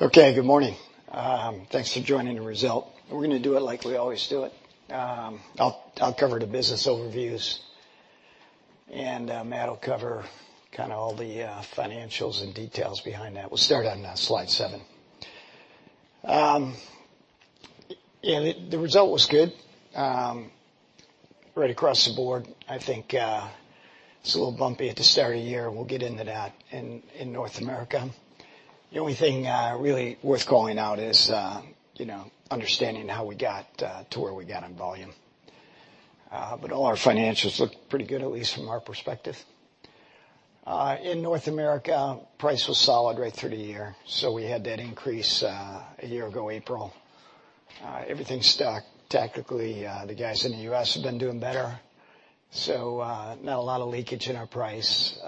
Okay, good morning. Thanks for joining the results. We're gonna do it like we always do it. I'll cover the business overviews, and Matt will cover kinda all the financials and details behind that. We'll start on slide seven. Yeah, the results were good. Right across the board, I think, it's a little bumpy at the start of the year, and we'll get into that in North America. The only thing really worth calling out is, you know, understanding how we got to where we got on volume. But all our financials look pretty good, at least from our perspective. In North America, price was solid right through the year, so we had that increase a year ago, April. Everything stuck. Technically, the guys in the U.S. have been doing better, so, not a lot of leakage in our price.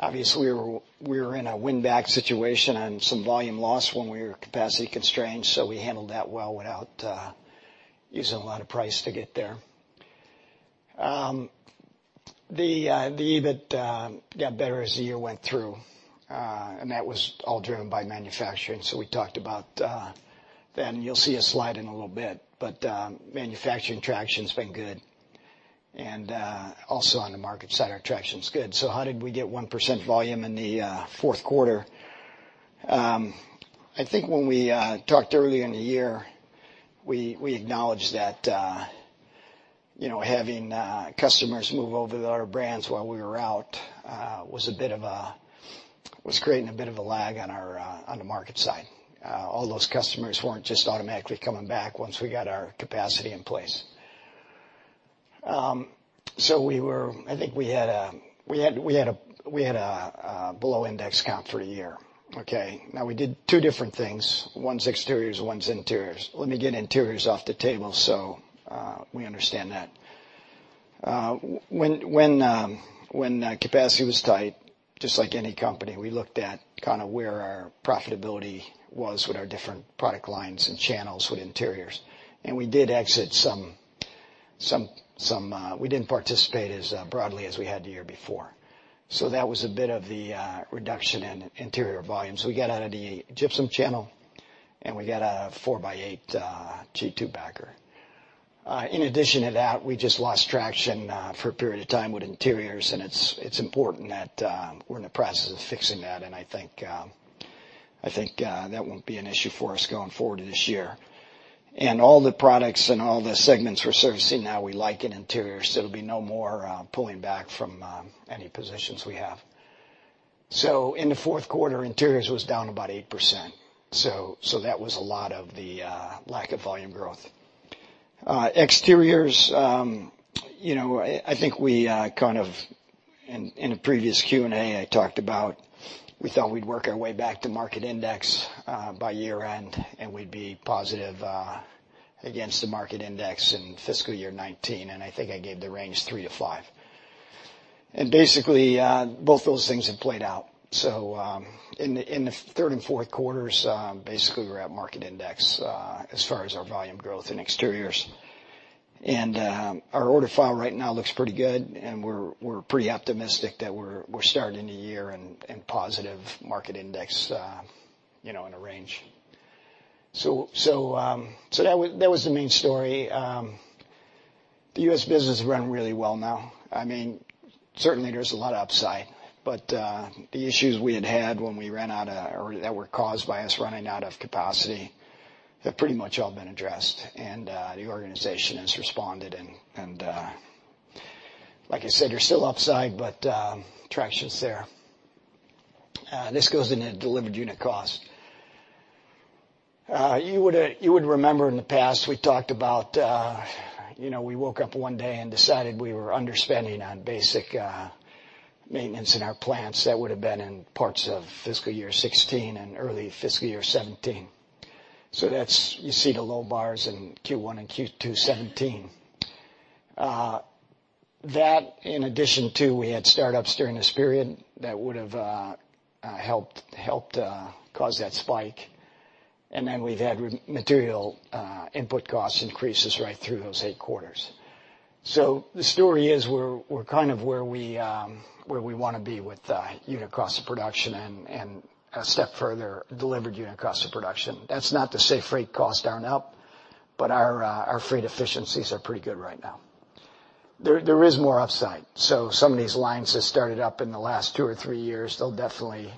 Obviously, we were in a win-back situation on some volume loss when we were capacity constrained, so we handled that well without using a lot of price to get there. The EBIT got better as the year went through, and that was all driven by manufacturing. So we talked about, and you'll see a slide in a little bit, but, manufacturing traction's been good. And, also on the market side, our traction's good. So how did we get 1% volume in the fourth quarter? I think when we talked earlier in the year, we acknowledged that, you know, having customers move over to other brands while we were out was creating a bit of a lag on our on the market side. All those customers weren't just automatically coming back once we got our capacity in place. So we were. I think we had a below-index comp for the year, okay? Now, we did two different things. One's exteriors, one's interiors. Let me get interiors off the table, so we understand that. When capacity was tight, just like any company, we looked at kinda where our profitability was with our different product lines and channels with interiors. And we did exit some. We didn't participate as broadly as we had the year before. So that was a bit of the reduction in interior volumes. We got out of the gypsum channel, and we got a four-by-eight G2 backer. In addition to that, we just lost traction for a period of time with interiors, and it's important that we're in the process of fixing that, and I think that won't be an issue for us going forward this year. And all the products and all the segments we're servicing now, we like in interiors. There'll be no more pulling back from any positions we have. So in the fourth quarter, interiors was down about 8%. So that was a lot of the lack of volume growth. Exteriors, you know, I think we kind of in a previous Q&A I talked about we thought we'd work our way back to market index by year-end, and we'd be positive against the market index in fiscal year 2019, and I think I gave the range three to five. Basically, both those things have played out. In the third and fourth quarters, basically, we're at market index as far as our volume growth in exteriors. Our order file right now looks pretty good, and we're pretty optimistic that we're starting the year in positive market index, you know, in a range. That was the main story. The U.S. business is running really well now. I mean, certainly, there's a lot of upside, but the issues we had had when we ran out of, or that were caused by us running out of capacity, have pretty much all been addressed, and the organization has responded, and like I said, there's still upside, but traction's there. This goes into delivered unit cost. You would remember in the past, we talked about, you know, we woke up one day and decided we were underspending on basic maintenance in our plants. That would have been in parts of fiscal year sixteen and early fiscal year seventeen. So that's, you see the low bars in Q1 and Q2 seventeen. That, in addition to, we had startups during this period that would have helped cause that spike. And then we've had raw material input costs increases right through those eight quarters. So the story is, we're kind of where we wanna be with unit cost of production and a step further, delivered unit cost of production. That's not to say freight costs aren't up, but our freight efficiencies are pretty good right now. There is more upside. So some of these lines have started up in the last two or three years. They'll definitely,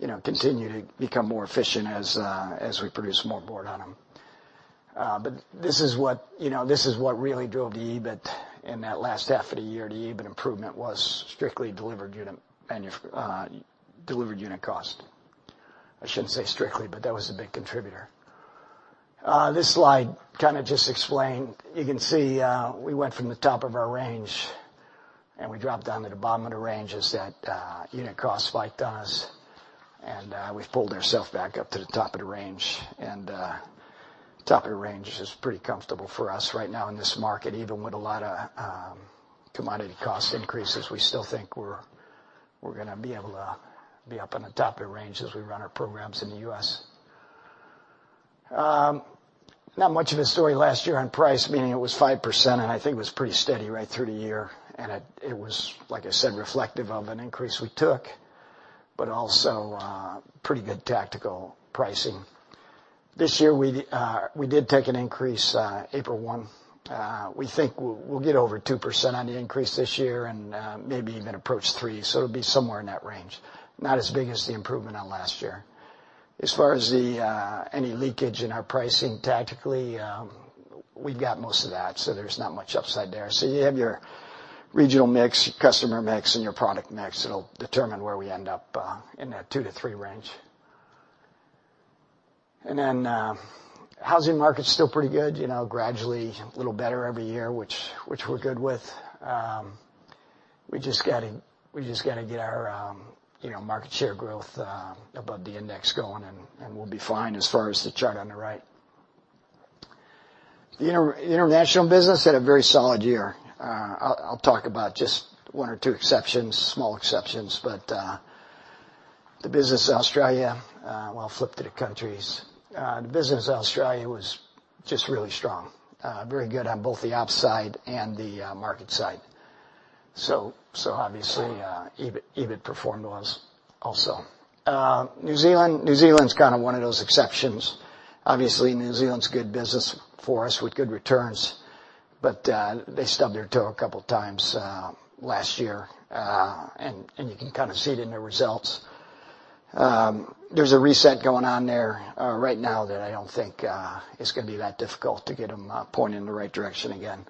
you know, continue to become more efficient as we produce more board on them. But this is what, you know, this is what really drove the EBIT in that last half of the year. The EBIT improvement was strictly delivered unit cost. I shouldn't say strictly, but that was a big contributor. This slide kinda just explained. You can see we went from the top of our range, and we dropped down to the bottom of the range as that unit cost spiked on us, and we've pulled ourself back up to the top of the range. Top of the range is just pretty comfortable for us right now in this market. Even with a lot of commodity cost increases, we still think we're gonna be able to be up on the top of the range as we run our programs in the U.S. Not much of a story last year on price, meaning it was 5%, and I think it was pretty steady right through the year, and it was, like I said, reflective of an increase we took, but also pretty good tactical pricing. This year, we did take an increase, April one. We think we'll get over 2% on the increase this year and maybe even approach 3%, so it'll be somewhere in that range. Not as big as the improvement on last year. As far as any leakage in our pricing tactically, we've got most of that, so there's not much upside there. So you have your regional mix, customer mix, and your product mix. It'll determine where we end up in that 2%-3% range. And then, housing market's still pretty good, you know, gradually a little better every year, which we're good with. We just gotta get our, you know, market share growth above the index going, and we'll be fine as far as the chart on the right. The international business had a very solid year. I'll talk about just one or two exceptions, small exceptions, but the business in Australia, well, I'll flip through the countries. The business in Australia was just really strong, very good on both the op side and the market side. So obviously, EBIT performed well also. New Zealand's kind of one of those exceptions. Obviously, New Zealand's good business for us with good returns, but they stubbed their toe a couple times last year, and you can kind of see it in the results. There's a reset going on there right now, that I don't think is gonna be that difficult to get them pointed in the right direction again.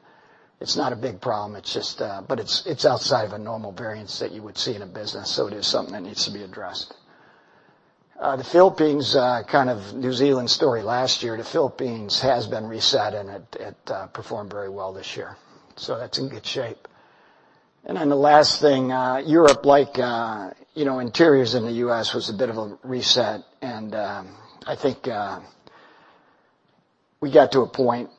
It's not a big problem. It's just... But it's outside of a normal variance that you would see in a business, so it is something that needs to be addressed. The Philippines kind of New Zealand story last year. The Philippines has been reset, and it performed very well this year, so that's in good shape. And then the last thing, Europe, like you know, interiors in the U.S., was a bit of a reset, and I think we got to a point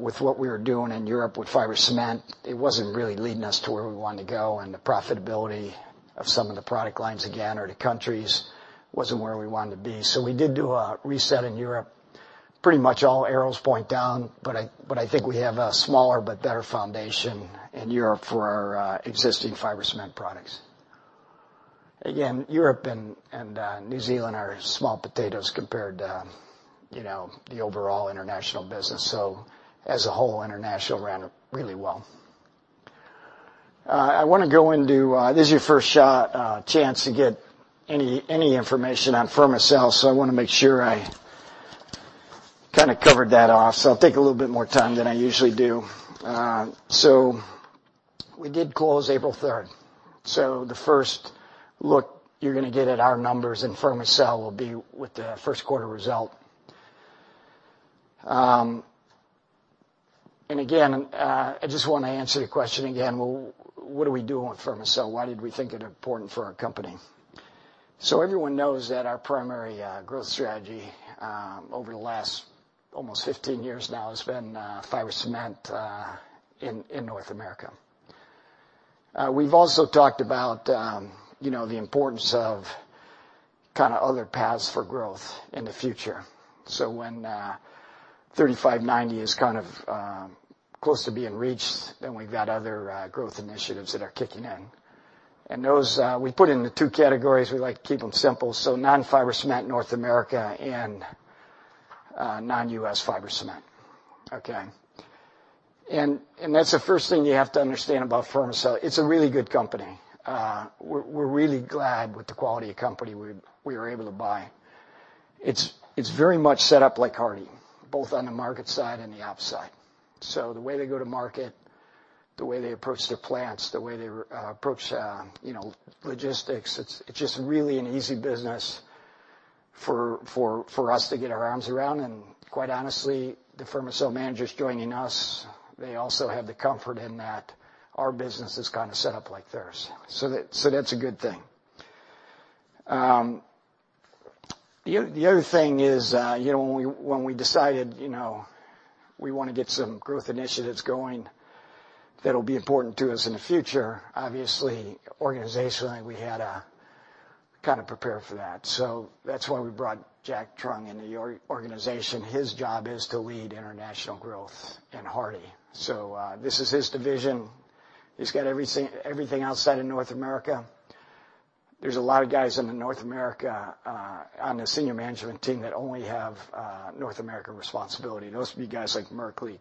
with what we were doing in Europe with fiber cement. It wasn't really leading us to where we wanted to go, and the profitability of some of the product lines, again, or the countries, wasn't where we wanted to be. So we did do a reset in Europe. Pretty much all arrows point down, but I think we have a smaller but better foundation in Europe for our existing fiber cement products. Again, Europe and New Zealand are small potatoes compared to, you know, the overall international business. So as a whole, international ran really well. I wanna go into. This is your first shot, chance to get any information on Fermacell, so I wanna make sure I kinda covered that off, so I'll take a little bit more time than I usually do. So we did close April 3rd, so the first look you're gonna get at our numbers in Fermacell will be with the first quarter result. And again, I just wanna answer the question again, well, what are we doing with Fermacell? Why did we think it important for our company? So everyone knows that our primary growth strategy over the last almost 15 years now has been fiber cement in North America. We've also talked about you know the importance of kinda other paths for growth in the future. So when 35/90 is kind of close to being reached, then we've got other growth initiatives that are kicking in. And those we put into two categories. We like to keep them simple, so non-fiber cement North America and non-U.S. fiber cement. Okay. And that's the first thing you have to understand about Fermacell. It's a really good company. We're really glad with the quality of company we were able to buy. It's very much set up like Hardie both on the market side and the op side. The way they go to market, the way they approach their plants, the way they approach you know logistics, it's just really an easy business for us to get our arms around, and quite honestly, the Fermacell managers joining us, they also have the comfort in that our business is kinda set up like theirs. That's a good thing. The other thing is, you know, when we decided, you know, we wanna get some growth initiatives going that'll be important to us in the future, obviously, organizationally, we had to kind of prepare for that. That's why we brought Jack Truong into the organization. His job is to lead international growth in Hardie. This is his division. He's got everything outside of North America. There's a lot of guys in North America on the senior management team that only have North American responsibility. Those would be guys like Merkley,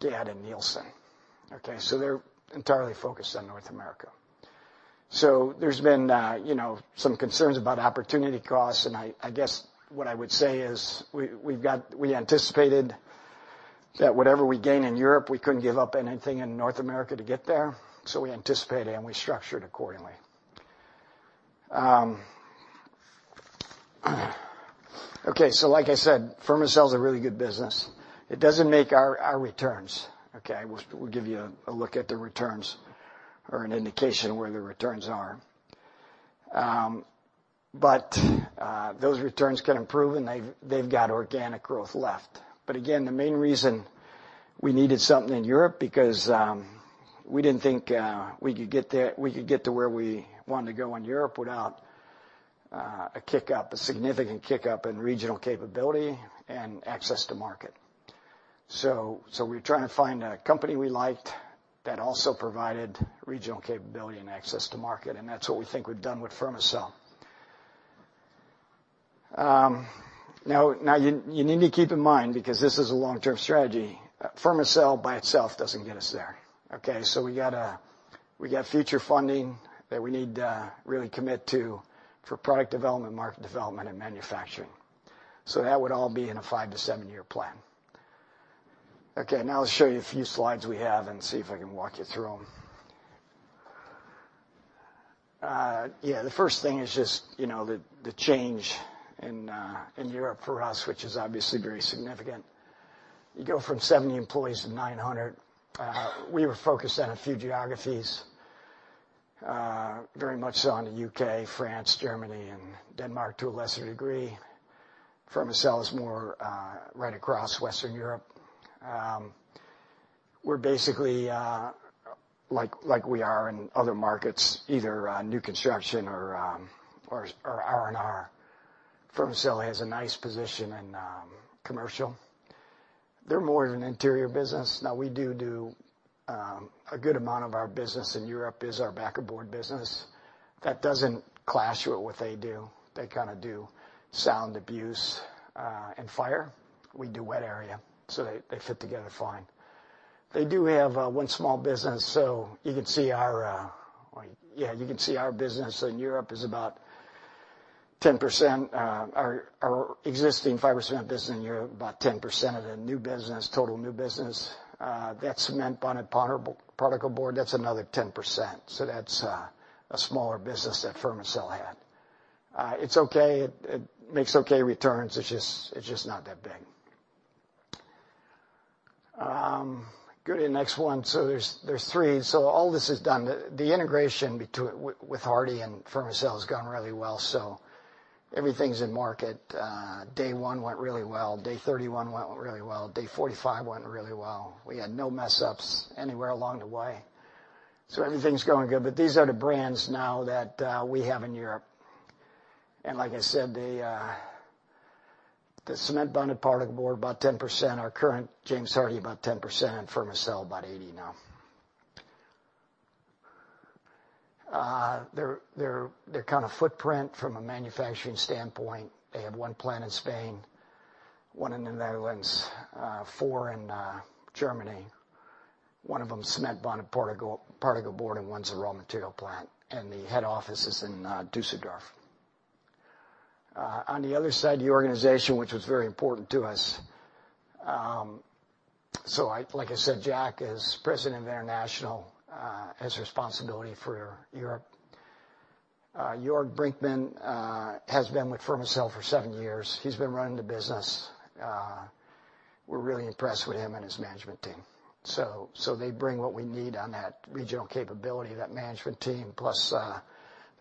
Gadd, and Nielsen. Okay? So they're entirely focused on North America. So there's been, you know, some concerns about opportunity costs, and I guess what I would say is we anticipated that whatever we gain in Europe, we couldn't give up anything in North America to get there, so we anticipated it, and we structured accordingly. Okay, so like I said, Fermacell's a really good business. It doesn't make our returns, okay? We'll give you a look at the returns or an indication of where the returns are. But those returns can improve, and they've got organic growth left. But again, the main reason we needed something in Europe, because we didn't think we could get to where we wanted to go in Europe without a kick-up, a significant kick-up in regional capability and access to market. So we're trying to find a company we liked that also provided regional capability and access to market, and that's what we think we've done with Fermacell. Now, you need to keep in mind, because this is a long-term strategy, Fermacell by itself doesn't get us there, okay? We got future funding that we need to really commit to for product development, market development, and manufacturing. So that would all be in a five-to-seven-year plan. Okay, now I'll show you a few slides we have and see if I can walk you through them. Yeah, the first thing is just, you know, the change in Europe for us, which is obviously very significant. You go from 70 employees to 900. We were focused on a few geographies, very much so on the U.K., France, Germany, and Denmark, to a lesser degree. Fermacell is more right across Western Europe. We're basically, like we are in other markets, either new construction or R&R. Fermacell has a nice position in commercial. They're more of an interior business. Now, we do a good amount of our business in Europe is our backer board business. That doesn't clash with what they do. They kind of do sound absorption and fire. We do wet area, so they fit together fine. They do have one small business, so you can see our, yeah, you can see our business in Europe is about 10%, our existing fiber cement business in Europe, about 10% of the new business, total new business. That's cement-bonded particle board, that's another 10%. So that's a smaller business that Fermacell had. It's okay. It makes okay returns. It's just not that big. Go to the next one. So there's three. So all this is done. The integration between Hardie and Fermacell has gone really well, so everything's in market. Day one went really well. Day 31 went really well. Day 45 went really well. We had no mess-ups anywhere along the way, so everything's going good. But these are the brands now that we have in Europe. And like I said, the cement-bonded particle board, about 10%, our current James Hardie, about 10%, Fermacell, about 80% now. Their kind of footprint from a manufacturing standpoint, they have one plant in Spain, one in the Netherlands, four in Germany. One of them is cement-bonded particle board, and one's a raw material plant, and the head office is in Düsseldorf. On the other side of the organization, which was very important to us. So, like I said, Jack is President of International, has responsibility for Europe. Jörg Brinkmann has been with Fermacell for seven years. He's been running the business. We're really impressed with him and his management team. So they bring what we need on that regional capability, that management team, plus, the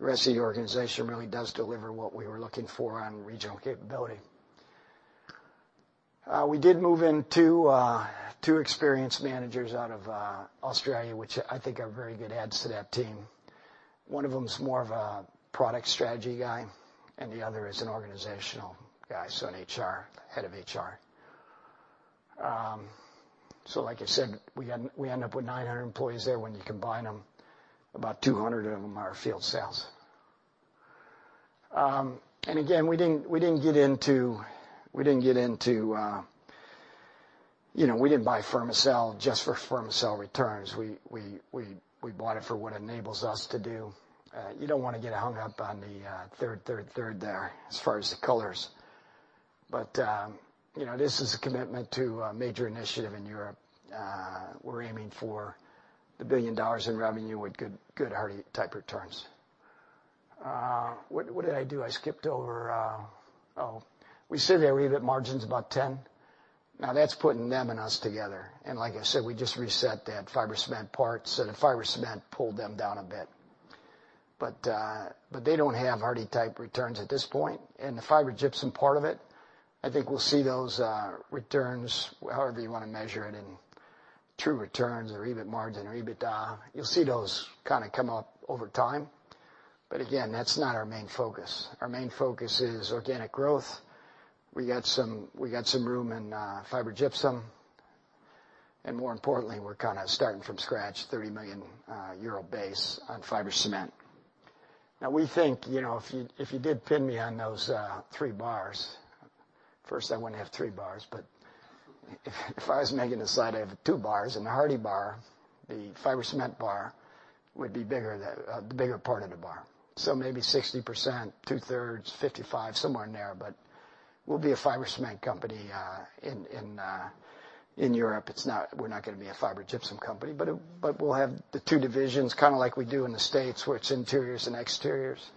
rest of the organization really does deliver what we were looking for on regional capability. We did move in two experienced managers out of Australia, which I think are very good adds to that team. One of them is more of a product strategy guy, and the other is an organizational guy, so an HR head of HR. So like I said, we end up with 900 employees there when you combine them. About 200 of them are field sales. And again, we didn't get into, you know, we didn't buy Fermacell just for Fermacell returns. We bought it for what enables us to do. You don't wanna get hung up on the third there, as far as the colors, but you know, this is a commitment to a major initiative in Europe. We're aiming for $1 billion in revenue with good Hardie-type returns. What did I do? I skipped over... Oh, we said the EBIT margins about 10%. Now, that's putting them and us together, and like I said, we just reset that fiber cement part, so the fiber cement pulled them down a bit. But they don't have Hardie-type returns at this point. And the fiber gypsum part of it, I think we'll see those returns, however you wanna measure it, in true returns or EBIT margin or EBITDA, you'll see those kind of come up over time. But again, that's not our main focus. Our main focus is organic growth. We got some room in fiber gypsum, and more importantly, we're kind of starting from scratch, 30 million euro base on fiber cement. Now, we think, you know, if you did pin me on those three bars, first, I wouldn't have three bars, but if I was making a slide, I have two bars, and the Hardie bar, the fiber cement bar, would be bigger than the bigger part of the bar. So maybe 60%, two-thirds, 55, somewhere in there, but we'll be a fiber cement company in Europe. It's not. We're not gonna be a fiber gypsum company, but it, but we'll have the two divisions, kind of like we do in the States, where it's interiors and exteriors.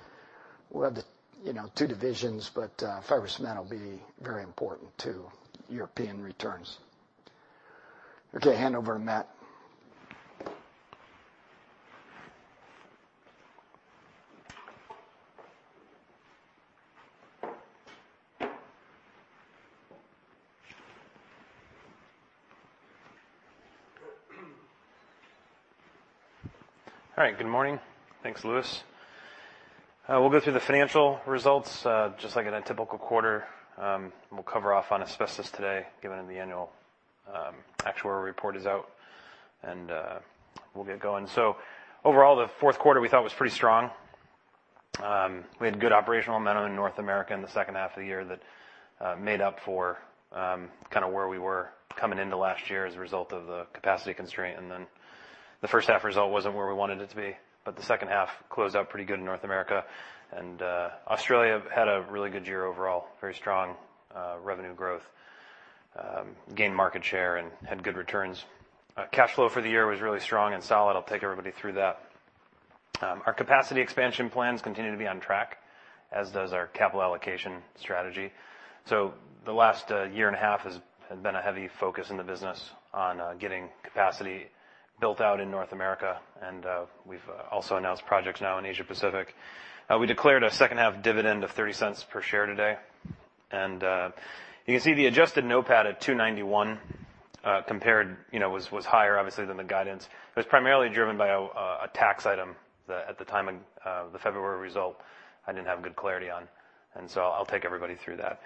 We'll have the, you know, two divisions, but, fiber cement will be very important to European returns. Okay, hand over to Matt. All right, good morning. Thanks, Louis. We'll go through the financial results, just like in a typical quarter. We'll cover off on asbestos today, given that the annual actual report is out, and we'll get going. Overall, the fourth quarter we thought was pretty strong. We had good operational momentum in North America in the second half of the year that made up for kind of where we were coming into last year as a result of the capacity constraint, and then the first half result wasn't where we wanted it to be. The second half closed out pretty good in North America, and Australia had a really good year overall, very strong revenue growth. Gained market share and had good returns. Cash flow for the year was really strong and solid. I'll take everybody through that. Our capacity expansion plans continue to be on track, as does our capital allocation strategy. So the last year and a half has been a heavy focus in the business on getting capacity built out in North America, and we've also announced projects now in Asia Pacific. We declared a second half dividend of $0.30 per share today, and you can see the adjusted NOPAT at 291, compared, you know, was higher, obviously, than the guidance. It was primarily driven by a tax item that at the time of the February result, I didn't have good clarity on, and so I'll take everybody through that.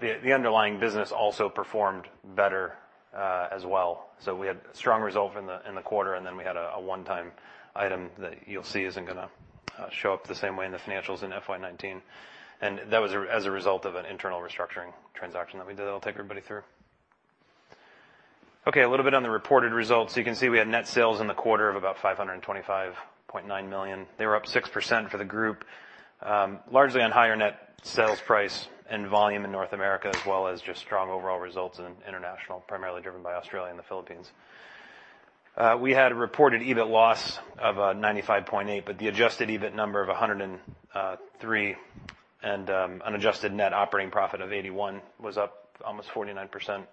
The underlying business also performed better, as well. So we had strong results in the quarter, and then we had a one-time item that you'll see isn't gonna show up the same way in the financials in FY 2019. And that was as a result of an internal restructuring transaction that we did. I'll take everybody through. Okay, a little bit on the reported results. You can see we had net sales in the quarter of about $525.9 million. They were up 6% for the group, largely on higher net sales price and volume in North America, as well as just strong overall results in international, primarily driven by Australia and the Philippines. We had a reported EBIT loss of 95.8, but the adjusted EBIT number of 103, and an adjusted net operating profit of 81 was up almost 49%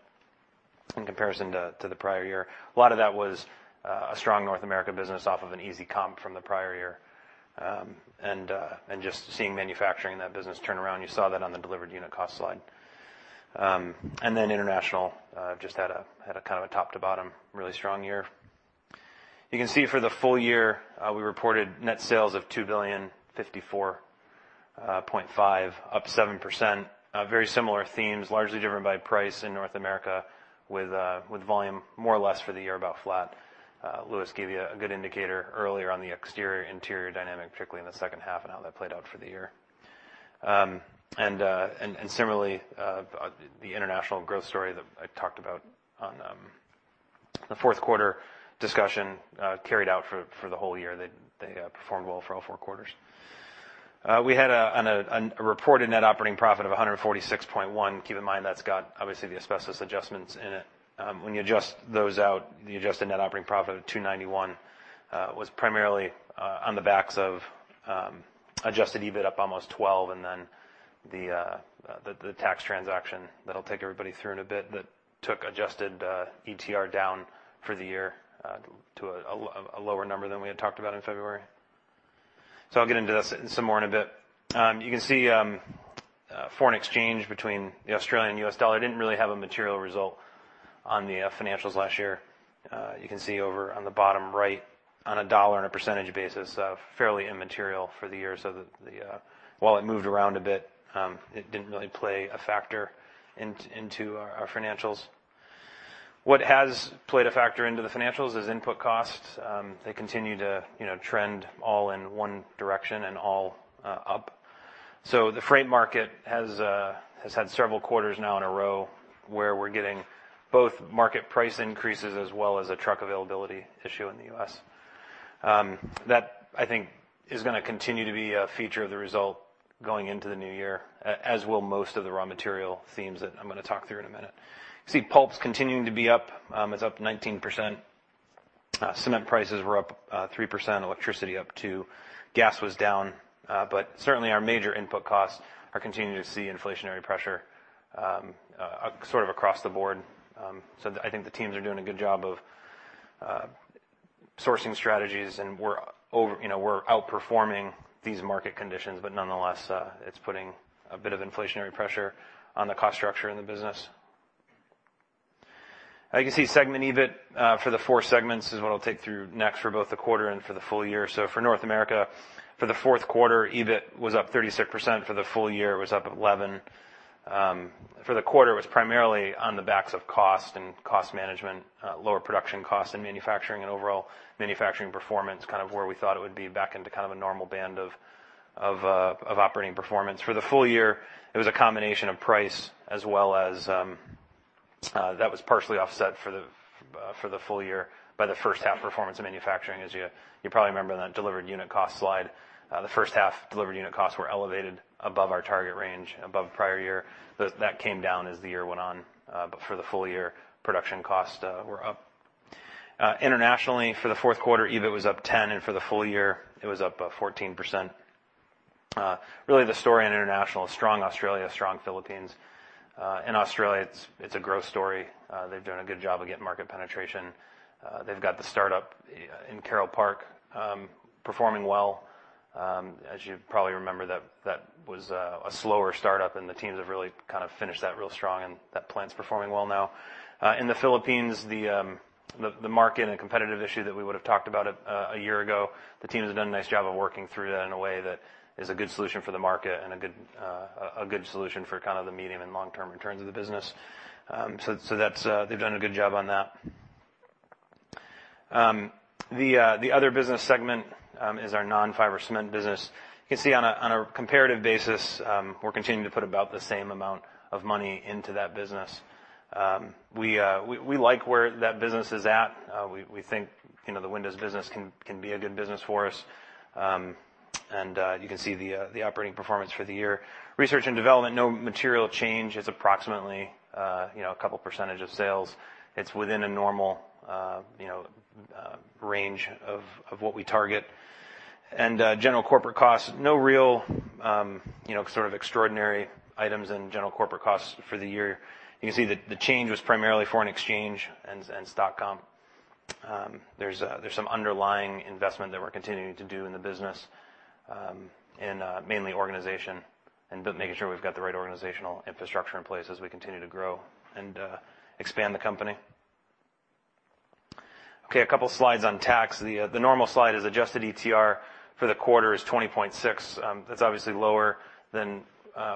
in comparison to the prior year. A lot of that was a strong North American business off of an easy comp from the prior year, and just seeing manufacturing in that business turn around. You saw that on the delivered unit cost slide, and then international just had a kind of a top-to-bottom, really strong year. You can see for the full year, we reported net sales of 2 billion 54.5, up 7%. Very similar themes, largely driven by price in North America, with volume more or less for the year about flat. Louis gave you a good indicator earlier on the exterior-interior dynamic, particularly in the second half, and how that played out for the year. And similarly, the international growth story that I talked about on the fourth quarter discussion carried out for the whole year. They performed well for all four quarters. We had a reported net operating profit of a hundred and forty-six point one. Keep in mind, that's got, obviously, the asbestos adjustments in it. When you adjust those out, the adjusted net operating profit of 291 was primarily on the backs of adjusted EBIT up almost 12, and then the tax transaction that I'll take everybody through in a bit, that took adjusted ETR down for the year to a lower number than we had talked about in February. So I'll get into this some more in a bit. You can see foreign exchange between the Australian and U.S. dollar didn't really have a material result on the financials last year. You can see over on the bottom right, on a dollar and a percentage basis, fairly immaterial for the year. So the while it moved around a bit, it didn't really play a factor into our financials. What has played a factor into the financials is input costs. They continue to, you know, trend all in one direction and all up. So the freight market has had several quarters now in a row, where we're getting both market price increases, as well as a truck availability issue in the U.S. That, I think, is gonna continue to be a feature of the result going into the new year, as will most of the raw material themes that I'm gonna talk through in a minute. You see pulps continuing to be up; it's up 19%. Cement prices were up 3%, electricity up 2%, gas was down, but certainly our major input costs are continuing to see inflationary pressure, sort of across the board. So I think the teams are doing a good job of sourcing strategies, and we're, you know, we're outperforming these market conditions, but nonetheless, it's putting a bit of inflationary pressure on the cost structure in the business. You can see segment EBIT for the four segments, is what I'll take through next, for both the quarter and for the full year. For North America, for the fourth quarter, EBIT was up 36%, for the full year, it was up 11%. For the quarter, it was primarily on the backs of cost and cost management, lower production costs in manufacturing and overall manufacturing performance, kind of where we thought it would be, back into kind of a normal band of operating performance. For the full year, it was a combination of price, as well as. That was partially offset for the, for the full year by the first half performance in manufacturing. As you, you probably remember in that delivered unit cost slide, the first half delivered unit costs were elevated above our target range, above the prior year. But that came down as the year went on, but for the full year, production costs were up. Internationally, for the fourth quarter, EBIT was up 10%, and for the full year, it was up 14%. Really, the story in international, strong Australia, strong Philippines. In Australia, it's a growth story. They've done a good job of getting market penetration. They've got the startup in Carole Park performing well. As you probably remember, that was a slower start-up, and the teams have really kind of finished that real strong, and that plant's performing well now. In the Philippines, the market and competitive issue that we would have talked about a year ago, the team has done a nice job of working through that in a way that is a good solution for the market and a good solution for kind of the medium and long-term returns of the business. So that's. They've done a good job on that. The other business segment is our non-fiber cement business. You can see on a comparative basis, we're continuing to put about the same amount of money into that business. We like where that business is at. We think, you know, the windows business can be a good business for us. And you can see the operating performance for the year. Research and development, no material change. It's approximately, you know, a couple percentage of sales. It's within a normal, you know, range of what we target. And general corporate costs, no real, you know, sort of extraordinary items in general corporate costs for the year. You can see that the change was primarily foreign exchange and stock comp. There's some underlying investment that we're continuing to do in the business, mainly organization and making sure we've got the right organizational infrastructure in place as we continue to grow and expand the company. Okay, a couple slides on tax. The normal slide is adjusted ETR for the quarter is 20.6%. That's obviously lower than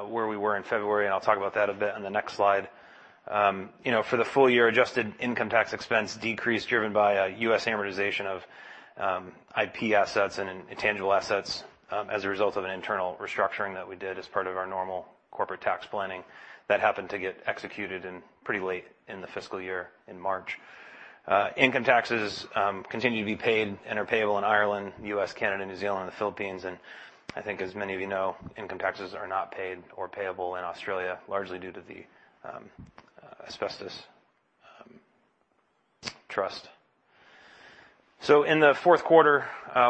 where we were in February, and I'll talk about that a bit on the next slide. You know, for the full year, adjusted income tax expense decreased, driven by a U.S. amortization of IP assets and intangible assets, as a result of an internal restructuring that we did as part of our normal corporate tax planning that happened to get executed pretty late in the fiscal year, in March. Income taxes continue to be paid and are payable in Ireland, U.S., Canada, New Zealand, and the Philippines, and I think, as many of you know, income taxes are not paid or payable in Australia, largely due to the asbestos trust. So in the fourth quarter,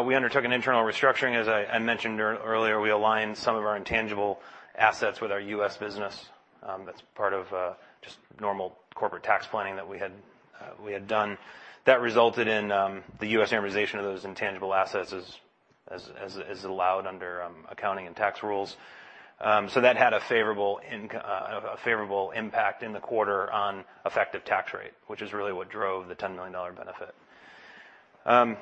we undertook an internal restructuring. As I mentioned earlier, we aligned some of our intangible assets with our U.S. business. That's part of just normal corporate tax planning that we had done. That resulted in the U.S. amortization of those intangible assets as allowed under accounting and tax rules. So that had a favorable impact in the quarter on effective tax rate, which is really what drove the $10 million benefit. I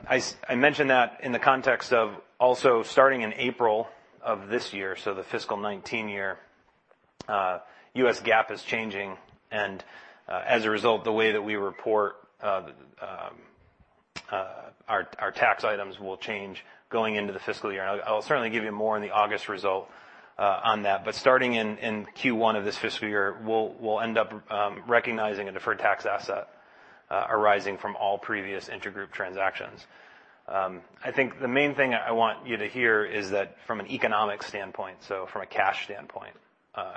mentioned that in the context of also starting in April of this year, so the fiscal 2019 year, U.S. GAAP is changing, and as a result, the way that we report our tax items will change going into the fiscal year. And I'll certainly give you more in the August result, on that, but starting in Q1 of this fiscal year, we'll end up recognizing a deferred tax asset, arising from all previous intergroup transactions. I think the main thing I want you to hear is that from an economic standpoint, so from a cash standpoint,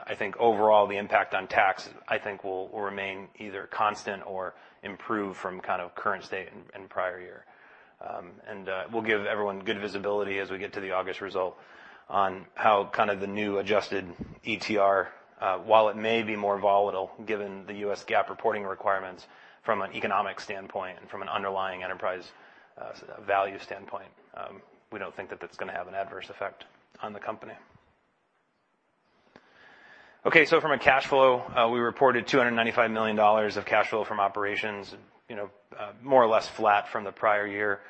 I think overall, the impact on tax, I think, will remain either constant or improve from kind of current state and prior year. And we'll give everyone good visibility as we get to the August result on how kind of the new adjusted ETR, while it may be more volatile, given the U.S. GAAP reporting requirements from an economic standpoint and from an underlying enterprise value standpoint, we don't think that that's gonna have an adverse effect on the company. Okay, so from a cash flow, we reported $295 million of cash flow from operations. You know, more or less flat from the prior year.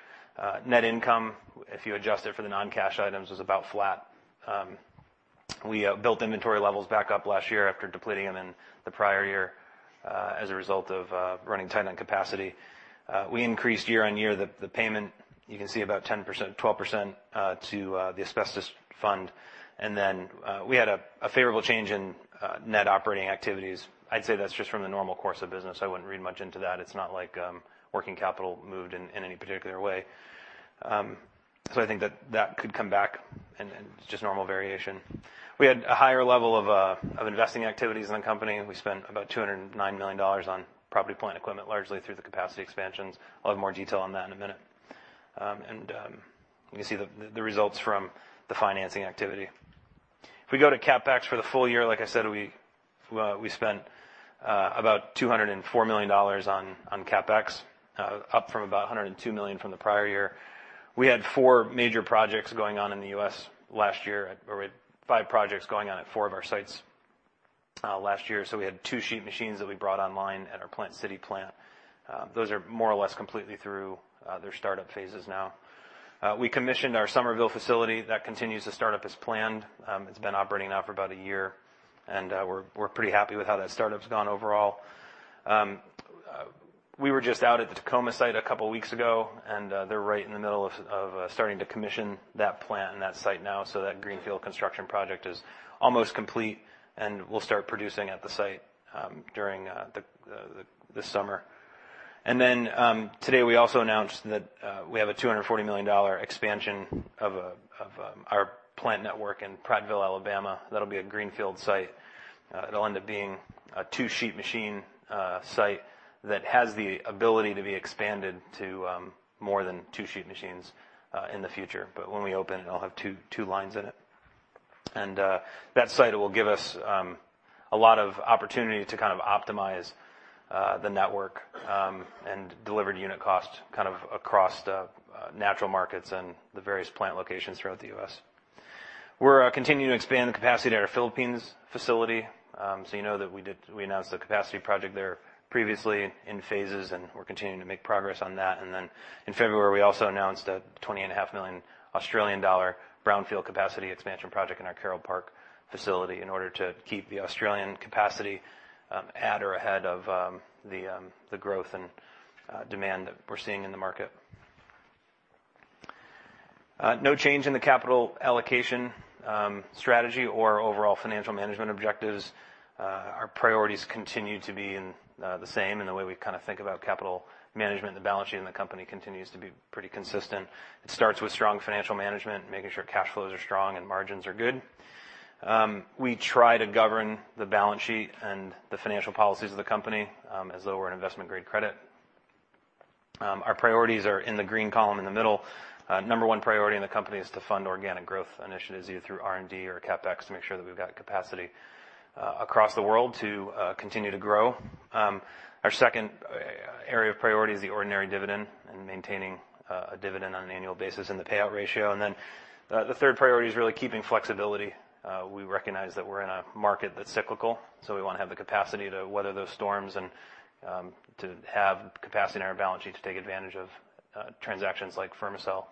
Net income, if you adjust it for the non-cash items, was about flat. We built inventory levels back up last year after depleting them in the prior year, as a result of running tight on capacity. We increased year on year the payment. You can see about 10%-12% to the asbestos fund. Then we had a favorable change in net operating activities. I'd say that's just from the normal course of business. I wouldn't read much into that. It's not like working capital moved in any particular way. So I think that could come back and just normal variation. We had a higher level of investing activities in the company, and we spent about $209 million on property, plant, and equipment, largely through the capacity expansions. I'll have more detail on that in a minute. You can see the results from the financing activity. If we go to CapEx for the full year, like I said, we spent about $204 million on CapEx, up from about $102 million from the prior year. We had four major projects going on in the U.S. last year, or we had five projects going on at four of our sites last year. So we had two sheet machines that we brought online at our Plant City plant. Those are more or less completely through their start-up phases now. We commissioned our Summerville facility. That continues to start up as planned. It's been operating now for about a year, and we're pretty happy with how that start-up's gone overall. We were just out at the Tacoma site a couple weeks ago, and they're right in the middle of starting to commission that plant and that site now. So that greenfield construction project is almost complete and will start producing at the site during this summer. Today, we also announced that we have a $240 million expansion of our plant network in Prattville, Alabama. That'll be a greenfield site. It'll end up being a two-sheet machine site that has the ability to be expanded to more than two sheet machines in the future. But when we open, it'll have two lines in it. That site will give us a lot of opportunity to kind of optimize the network and delivered unit cost kind of across the natural markets and the various plant locations throughout the U.S. We're continuing to expand the capacity at our Philippines facility. So you know that we did we announced the capacity project there previously in phases, and we're continuing to make progress on that. And then in February, we also announced a 20.5 million Australian dollar brownfield capacity expansion project in our Carole Park facility in order to keep the Australian capacity at or ahead of the the growth and demand that we're seeing in the market. No change in the capital allocation strategy or overall financial management objectives. Our priorities continue to be in the same, and the way we kind of think about capital management and the balance sheet in the company continues to be pretty consistent. It starts with strong financial management, making sure cash flows are strong and margins are good. We try to govern the balance sheet and the financial policies of the company as though we're an investment-grade credit. Our priorities are in the green column in the middle. Number one priority in the company is to fund organic growth initiatives, either through R&D or CapEx, to make sure that we've got capacity across the world to continue to grow. Our second area of priority is the ordinary dividend and maintaining a dividend on an annual basis and the payout ratio. Then the third priority is really keeping flexibility. We recognize that we're in a market that's cyclical, so we want to have the capacity to weather those storms and to have capacity in our balance sheet to take advantage of transactions like Fermacell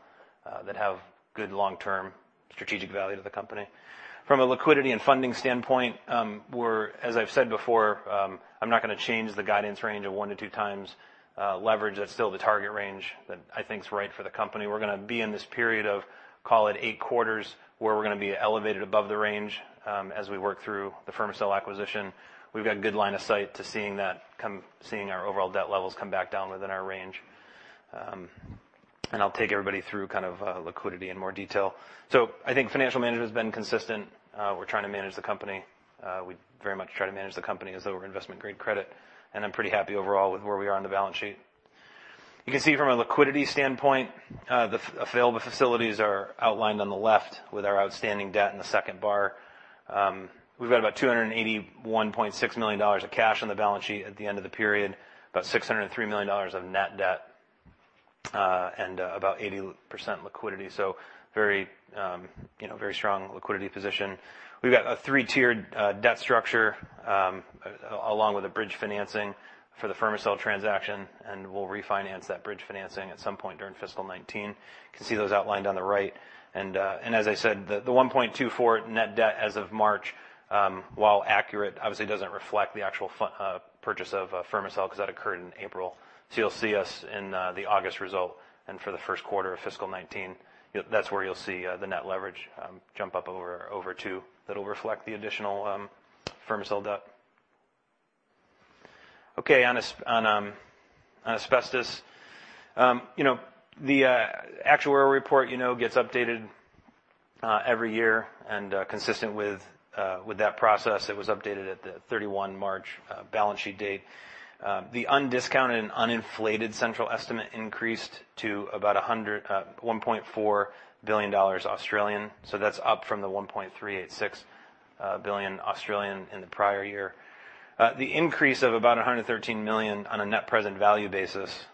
that have good long-term strategic value to the company. From a liquidity and funding standpoint, as I've said before, I'm not gonna change the guidance range of one to two times leverage. That's still the target range that I think is right for the company. We're gonna be in this period of, call it, eight quarters, where we're gonna be elevated above the range as we work through the Fermacell acquisition. We've got good line of sight to seeing our overall debt levels come back down within our range. I'll take everybody through kind of liquidity in more detail. I think financial management has been consistent. We're trying to manage the company. We very much try to manage the company as though we're investment-grade credit, and I'm pretty happy overall with where we are on the balance sheet. You can see from a liquidity standpoint, the available facilities are outlined on the left, with our outstanding debt in the second bar. We've got about $281.6 million of cash on the balance sheet at the end of the period, about $603 million of net debt, and about 80% liquidity, so very, you know, very strong liquidity position. We've got a three-tiered debt structure, along with a bridge financing for the Fermacell transaction, and we'll refinance that bridge financing at some point during fiscal 2019. You can see those outlined on the right. As I said, the 1.24 net debt as of March, while accurate, obviously doesn't reflect the actual purchase of Fermacell, because that occurred in April. So you'll see us in the August result and for the first quarter of fiscal 2019. That's where you'll see the net leverage jump up over 2. That'll reflect the additional Fermacell debt. Okay, on asbestos. You know, the actuarial report, you know, gets updated every year, and consistent with that process, it was updated at the 31 March balance sheet date. The undiscounted and uninflated central estimate increased to about 1.4 billion Australian dollars, so that's up from the 1.386 billion Australian dollars in the prior year. The increase of about 113 million on a net present value basis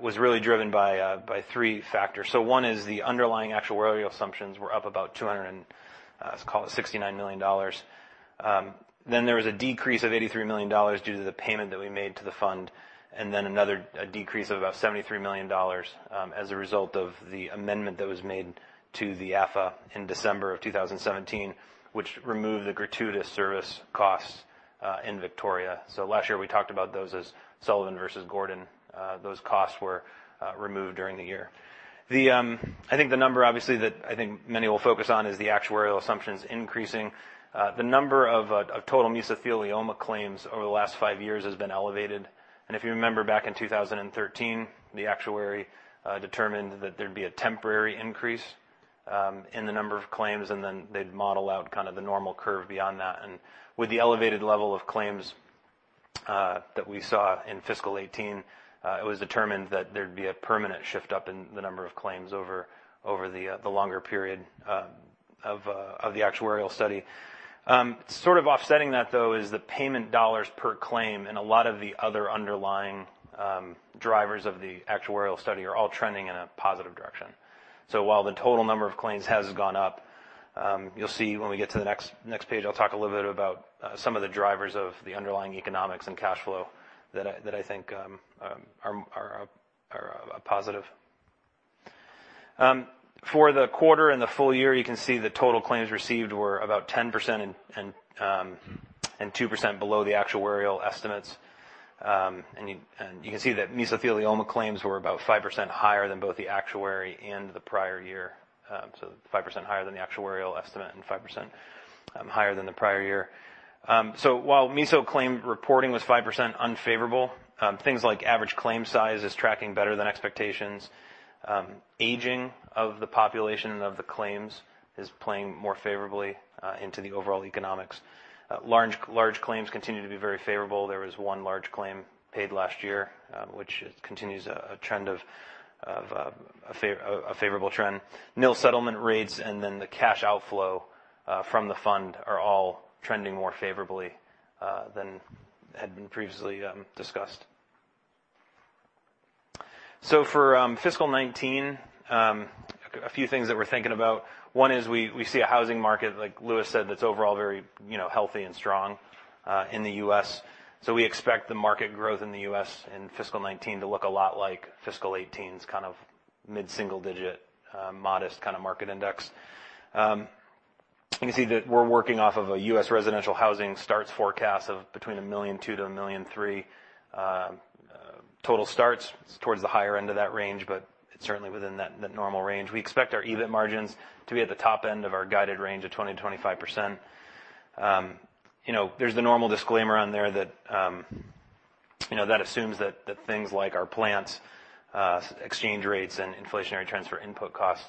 was really driven by 3 factors. So one is the underlying actuarial assumptions were up about 200 and let's call it $69 million. Then there was a decrease of $83 million due to the payment that we made to the fund, and then another decrease of about $73 million as a result of the amendment that was made to the AFA in December of 2017, which removed the gratuitous service costs in Victoria. Last year, we talked about those asbestos Sullivan versus Gordon. Those costs were removed during the year. I think the number, obviously, that I think many will focus on is the actuarial assumptions increasing. The number of total mesothelioma claims over the last five years has been elevated, and if you remember, back in two thousand and thirteen, the actuary determined that there'd be a temporary increase in the number of claims, and then they'd model out kind of the normal curve beyond that. With the elevated level of claims that we saw in fiscal 2018, it was determined that there'd be a permanent shift up in the number of claims over the longer period of the actuarial study. Sort of offsetting that, though, is the payment dollars per claim, and a lot of the other underlying drivers of the actuarial study are all trending in a positive direction. So while the total number of claims has gone up, you'll see when we get to the next page, I'll talk a little bit about some of the drivers of the underlying economics and cash flow that I think are positive. For the quarter and the full year, you can see the total claims received were about 10% and 2% below the actuarial estimates. And you can see that mesothelioma claims were about 5% higher than both the actuary and the prior year. So 5% higher than the actuarial estimate and 5% higher than the prior year. So while meso claim reporting was 5% unfavorable, things like average claim size is tracking better than expectations. Aging of the population and of the claims is playing more favorably into the overall economics. Large claims continue to be very favorable. There was one large claim paid last year, which continues a trend of a favorable trend. Nil settlement rates and then the cash outflow from the fund are all trending more favorably than had been previously discussed. For fiscal 2019, a few things that we're thinking about. One is we see a housing market, like Louis said, that's overall very, you know, healthy and strong in the U.S. So we expect the market growth in the U.S. in fiscal 2019 to look a lot like fiscal 2018's, kind of mid-single digit, modest kind of market index. You can see that we're working off of a U.S. residential housing starts forecast of between 1.2 million to 1.3 million, total starts. It's towards the higher end of that range, but it's certainly within that normal range. We expect our EBIT margins to be at the top end of our guided range of 20%-25%. You know, there's the normal disclaimer on there that, you know, that assumes that things like our plants, exchange rates, and inflationary trends for input costs,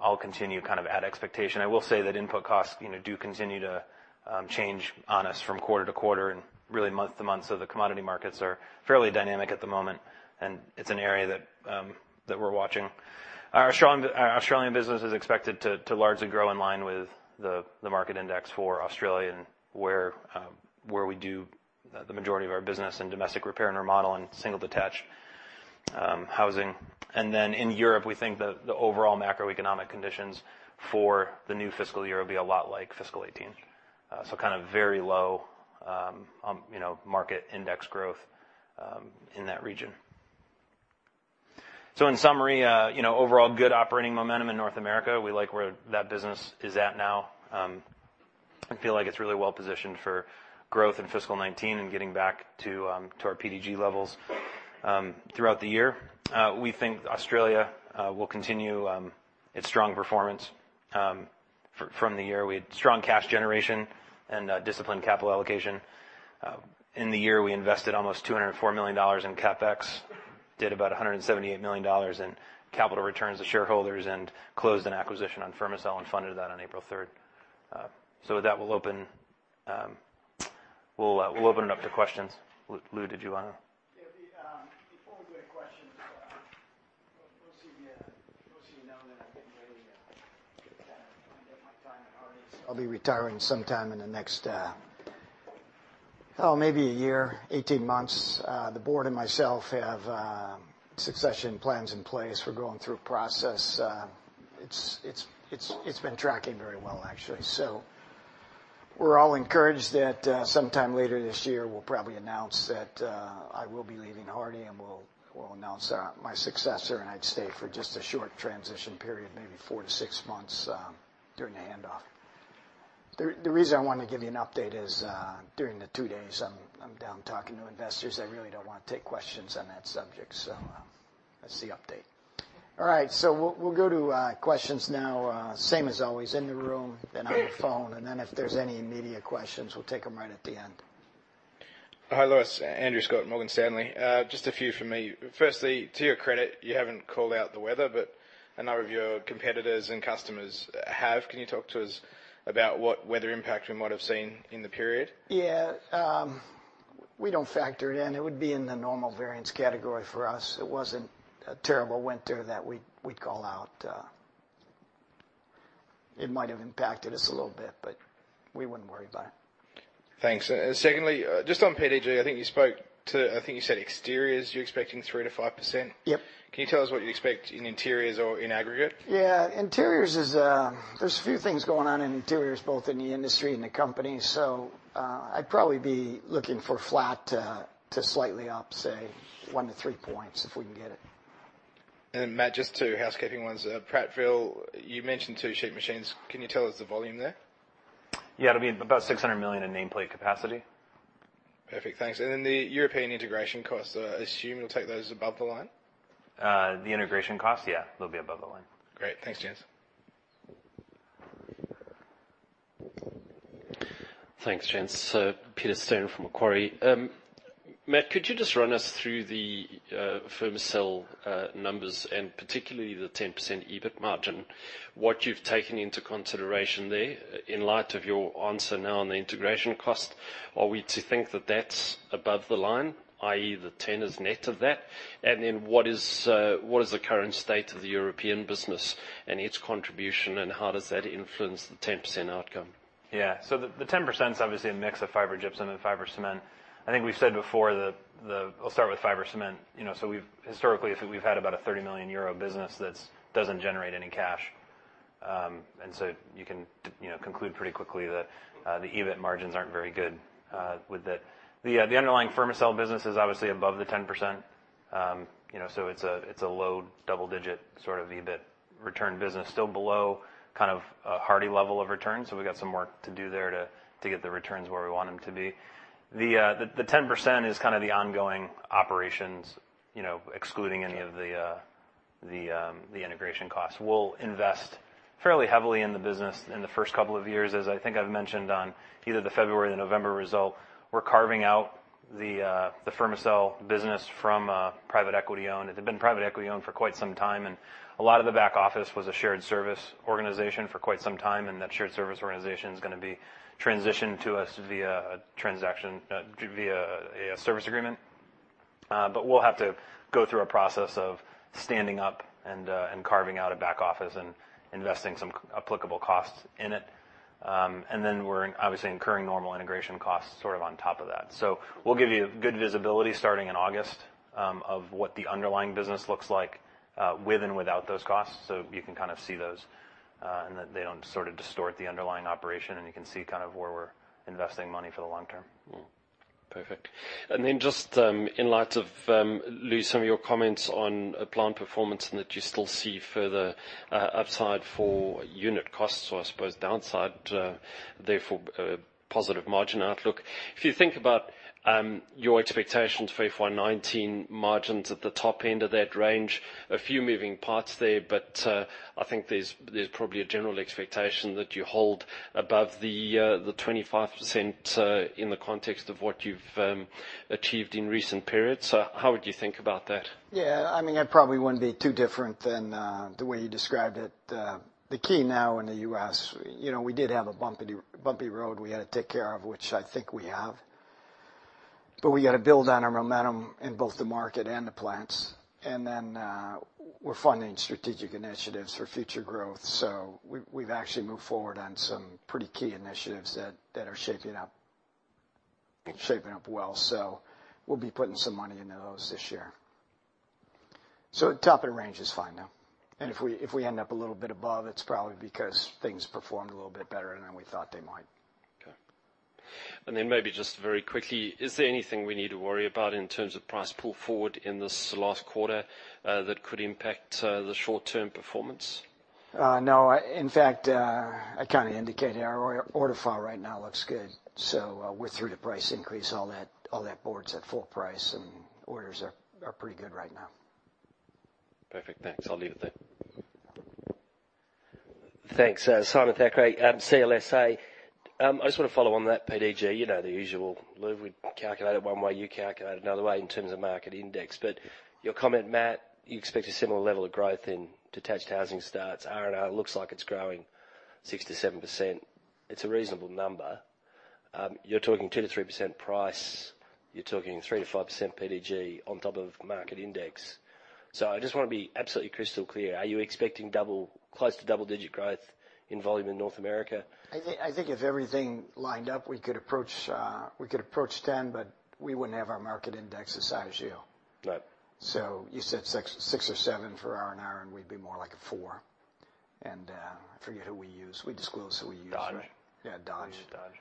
all continue kind of at expectation. I will say that input costs, you know, do continue to change on us from quarter to quarter, and really month to month, so the commodity markets are fairly dynamic at the moment, and it's an area that we're watching. Our Australian business is expected to largely grow in line with the market index for Australia, and where we do the majority of our business in domestic repair and remodel and single-detached housing, and then in Europe, we think the overall macroeconomic conditions for the new fiscal year will be a lot like fiscal 2018, so kind of very low, you know, market index growth in that region, so in summary, you know, overall good operating momentum in North America. We like where that business is at now. I feel like it's really well-positioned for growth in fiscal 2019 and getting back to, to our PDG levels, throughout the year. We think Australia will continue its strong performance. From the year, we had strong cash generation and disciplined capital allocation. In the year, we invested almost $204 million in CapEx, did about $178 million in capital returns to shareholders, and closed an acquisition on Fermacell and funded that on April 3rd. So with that, we'll open... We'll, we'll open it up to questions. Lou, did you wanna? Yeah, before we go to questions, most of you know that I'm getting ready to kind of get my time at Hardie. So I'll be retiring sometime in the next, oh, maybe a year, 18 months. The board and myself have succession plans in place. We're going through a process. It's been tracking very well, actually. So we're all encouraged that, sometime later this year, we'll probably announce that I will be leaving Hardie, and we'll announce my successor, and I'd stay for just a short transition period, maybe four to six months, during the handoff. The reason I wanted to give you an update is, during the two days I'm down talking to investors, I really don't want to take questions on that subject, so that's the update. All right, so we'll go to questions now. Same as always, in the room, then on the phone, and then if there's any media questions, we'll take them right at the end. Hi, Louis. Andrew Scott, Morgan Stanley. Just a few from me. Firstly, to your credit, you haven't called out the weather, but a number of your competitors and customers have. Can you talk to us about what weather impact we might have seen in the period? Yeah, we don't factor it in. It would be in the normal variance category for us. It wasn't a terrible winter that we'd call out. It might have impacted us a little bit, but we wouldn't worry about it. Thanks. And secondly, just on PDG, I think you spoke to, I think you said exteriors, you're expecting 3%-5%? Yep. Can you tell us what you expect in interiors or in aggregate? Yeah. Interiors is. There's a few things going on in interiors, both in the industry and the company, so I'd probably be looking for flat to slightly up, say, one to three points, if we can get it. And then, Matt, just two housekeeping ones. Prattville, you mentioned two sheet machines. Can you tell us the volume there? Yeah, it'll be about 600 million in nameplate capacity. Perfect, thanks. And then the European integration costs, I assume you'll take those above the line? The integration costs? Yeah, they'll be above the line. Great. Thanks, gents. Thanks, gents. Peter Steyn from Macquarie. Matt, could you just run us through the Fermacell numbers, and particularly the 10% EBIT margin, what you've taken into consideration there? In light of your answer now on the integration cost, are we to think that that's above the line, i.e., the ten is net of that? And then what is the current state of the European business and its contribution, and how does that influence the 10% outcome? Yeah. So the 10%'s obviously a mix of fiber gypsum and fiber cement. I think we've said before that the— I'll start with fiber cement. You know, so we've, historically, we've had about a 30 million euro business that doesn't generate any cash. And so you can, you know, conclude pretty quickly that the EBIT margins aren't very good with it. The underlying Fermacell business is obviously above the 10%. You know, so it's a low double-digit sort of EBIT return business, still below kind of a Hardie level of return, so we've got some work to do there to get the returns where we want them to be. The 10% is kind of the ongoing operations, you know, excluding any of the integration costs. We'll invest fairly heavily in the business in the first couple of years. As I think I've mentioned on either the February or the November result, we're carving out the Fermacell business from private equity owned. It had been private equity owned for quite some time, and a lot of the back office was a shared service organization for quite some time, and that shared service organization is gonna be transitioned to us via a transaction via a service agreement, but we'll have to go through a process of standing up and carving out a back office and investing some applicable costs in it, and then we're obviously incurring normal integration costs sort of on top of that. So we'll give you good visibility starting in August of what the underlying business looks like with and without those costs, so you can kind of see those, and that they don't sort of distort the underlying operation, and you can see kind of where we're investing money for the long term. Perfect. And then just, in light of Lou, some of your comments on plant performance and that you still see further upside for unit costs, or I suppose downside, therefore, positive margin outlook. If you think about your expectations for FY 2019 margins at the top end of that range, a few moving parts there, but I think there's probably a general expectation that you hold above the 25%, in the context of what you've achieved in recent periods. So how would you think about that? Yeah, I mean, I probably wouldn't be too different than the way you described it. The key now in the U.S., you know, we did have a bumpy road we had to take care of, which I think we have. But we got to build on our momentum in both the market and the plants. And then we're funding strategic initiatives for future growth. So we've actually moved forward on some pretty key initiatives that are shaping up well. So we'll be putting some money into those this year. So top of the range is fine now. And if we end up a little bit above, it's probably because things performed a little bit better than we thought they might. Okay. And then maybe just very quickly, is there anything we need to worry about in terms of price pull forward in this last quarter, that could impact, the short-term performance? No. In fact, I kind of indicated our order file right now looks good, so, we're through the price increase, all that, all that board's at full price, and orders are pretty good right now. Perfect. Thanks. I'll leave it there. Thanks. Simon Thackray, CLSA. I just want to follow on that, PDG, you know, the usual, Lou, we calculate it one way, you calculate it another way in terms of market index. But your comment, Matt, you expect a similar level of growth in detached housing starts. R&R looks like it's growing 6%-7%. It's a reasonable number. You're talking 2%-3% price. You're talking 3%-5% PDG on top of market index. So I just want to be absolutely crystal clear, are you expecting close to double-digit growth in volume in North America? I think if everything lined up, we could approach 10, but we wouldn't have our market index the size you. Right. So you said six, six or seven for R&R, and we'd be more like a four. And, I forget who we use. We disclose who we use. Dodge? Yeah, Dodge. We use Dodge.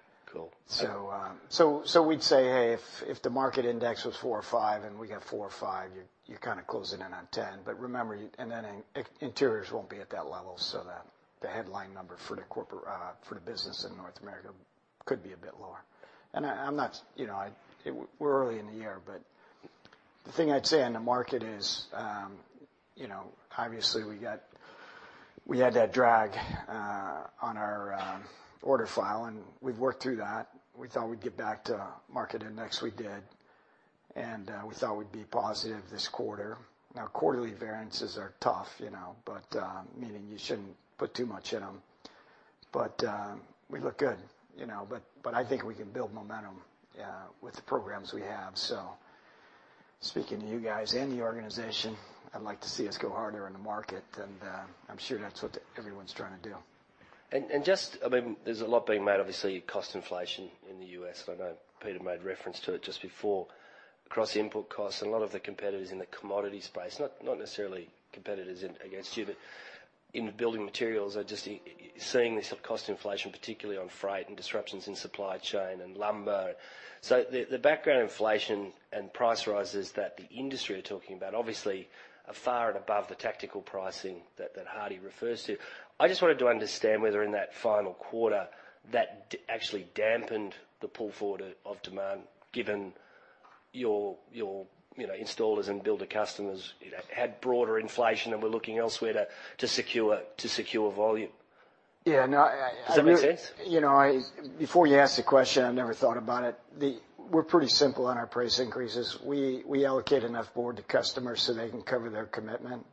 Cool. We'd say, hey, if the market index was four or five and we have four or five, you're kind of closing in on ten. But remember, you and then interiors won't be at that level, so that the headline number for the corporate for the business in North America could be a bit lower. And I'm not, you know, we're early in the year, but the thing I'd say on the market is, you know, obviously, we had that drag on our order file, and we've worked through that. We thought we'd get back to market index, we did. And we thought we'd be positive this quarter. Now, quarterly variances are tough, you know, but meaning you shouldn't put too much in them. But we look good, you know. But I think we can build momentum with the programs we have. So speaking to you guys and the organization, I'd like to see us go harder in the market, and I'm sure that's what everyone's trying to do. Just, I mean, there's a lot being made, obviously, cost inflation in the U.S. I know Peter made reference to it just before. Across the input costs, a lot of the competitors in the commodity space, not necessarily competitors against you, but in building materials, are just seeing this cost inflation, particularly on freight and disruptions in supply chain and lumber. So the background inflation and price rises that the industry are talking about, obviously, are far and above the tactical pricing that Hardie refers to. I just wanted to understand whether in that final quarter, that actually dampened the pull forward of demand, given your, you know, installers and builder customers, you know, had broader inflation and were looking elsewhere to secure volume. Yeah, no. Does that make sense? You know, before you asked the question, I never thought about it. We're pretty simple on our price increases. We allocate enough board to customers so they can cover their commitment.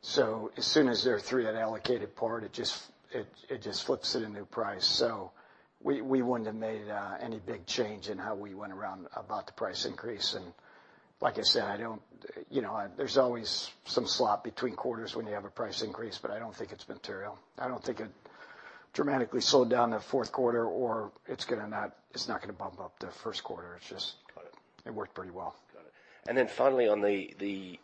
So as soon as they're through that allocated part, it just flips to the new price. So we wouldn't have made any big change in how we went around about the price increase. And like I said, I don't... You know, there's always some slop between quarters when you have a price increase, but I don't think it's material. I don't think it dramatically slowed down the fourth quarter, or it's not gonna bump up the first quarter. It's just- Got it. It worked pretty well. Got it. And then finally, on the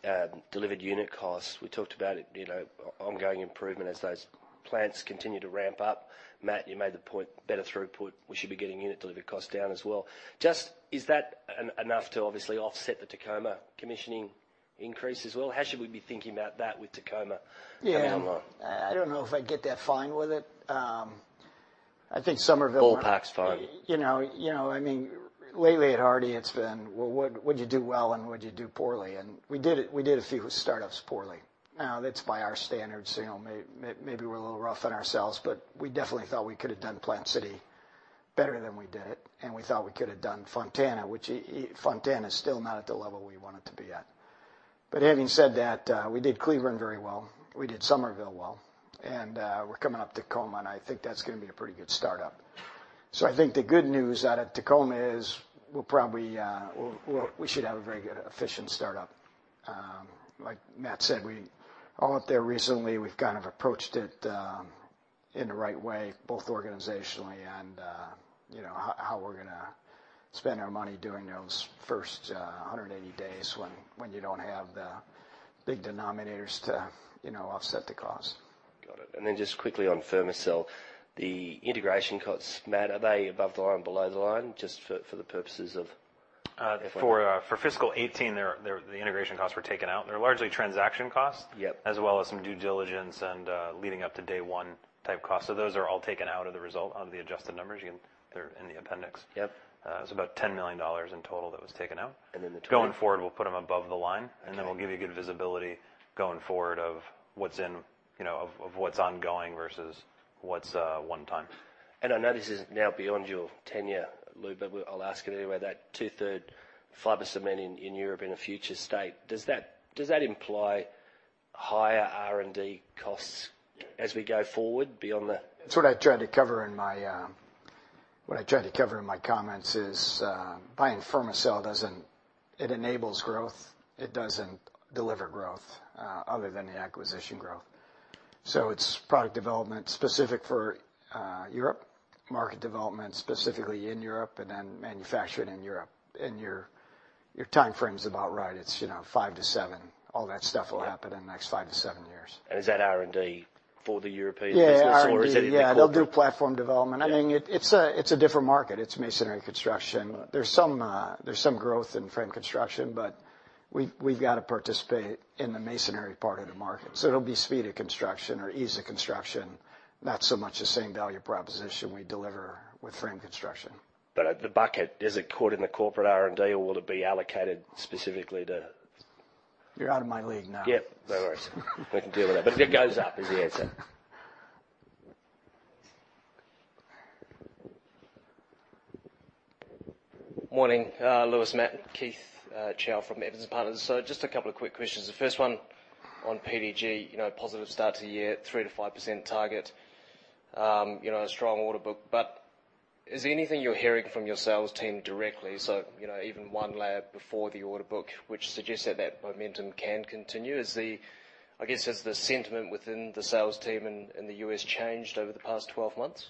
delivered unit costs, we talked about it, you know, ongoing improvement as those plants continue to ramp up. Matt, you made the point, better throughput, we should be getting unit delivery costs down as well. Just, is that enough to obviously offset the Tacoma commissioning increase as well? How should we be thinking about that with Tacoma coming online? Yeah, I don't know if I'd get that fine with it. I think Summerville- Philippines fine. You know, I mean, lately at Hardie, it's been well, what'd you do well, and what'd you do poorly? And we did a few startups poorly. Now, that's by our standards, so you know, maybe we're a little rough on ourselves, but we definitely thought we could have done Plant City better than we did it, and we thought we could have done Fontana, which Fontana is still not at the level we want it to be at. But having said that, we did Cleburne very well. We did Summerville well, and we're coming up Tacoma, and I think that's gonna be a pretty good startup. So I think the good news out of Tacoma is we'll probably we should have a very good efficient startup. Like Matt said, we all went up there recently. We've kind of approached it in the right way, both organizationally and, you know, how we're gonna spend our money during those first 130 days when you don't have the big denominators to, you know, offset the cost. Got it. And then just quickly on Fermacell, the integration costs, Matt, are they above the line, below the line, just for the purposes of? For fiscal 2018, they're, the integration costs were taken out. They're largely transaction costs. Yep. As well as some due diligence and leading up to day one type costs. So those are all taken out of the result on the adjusted numbers. You can. They're in the appendix. Yep. It was about $10 million in total that was taken out. And then the total? Going forward, we'll put them above the line- Okay. And then we'll give you good visibility going forward of what's in, you know, of what's ongoing versus what's one time. I know this is now beyond your tenure, Lou, but I'll ask it anyway. That two-thirds fiber cement in Europe in a future state, does that imply higher R&D costs as we go forward beyond the- That's what I tried to cover in my comments is, buying Fermacell doesn't. It enables growth. It doesn't deliver growth, other than the acquisition growth. So it's product development specific for Europe, market development specifically in Europe, and then manufactured in Europe. And your timeframe is about right. It's, you know, five to seven. All that stuff will happen. Yeah. In the next five to seven years. And is that R&D for the European business- Yeah, R&D. Or is that in corporate? Yeah, they'll do platform development. Yeah. I mean, it's a different market. It's masonry construction. Right. There's some growth in frame construction, but we've got to participate in the masonry part of the market, so it'll be speed of construction or ease of construction, not so much the same value proposition we deliver with frame construction. But at the bucket, is it caught in the corporate R&D, or will it be allocated specifically to- You're out of my league now. Yep, no worries. We can deal with that. But it goes up, is the answer. Morning, Louis, Matt, Keith Chau from Evans and Partners. So just a couple of quick questions. The first one on PDG. You know, positive start to the year, 3%-5% target, you know, a strong order book. But is there anything you're hearing from your sales team directly, so you know, even one layer before the order book, which suggests that momentum can continue? Is the... I guess, has the sentiment within the sales team in the U.S. changed over the past twelve months?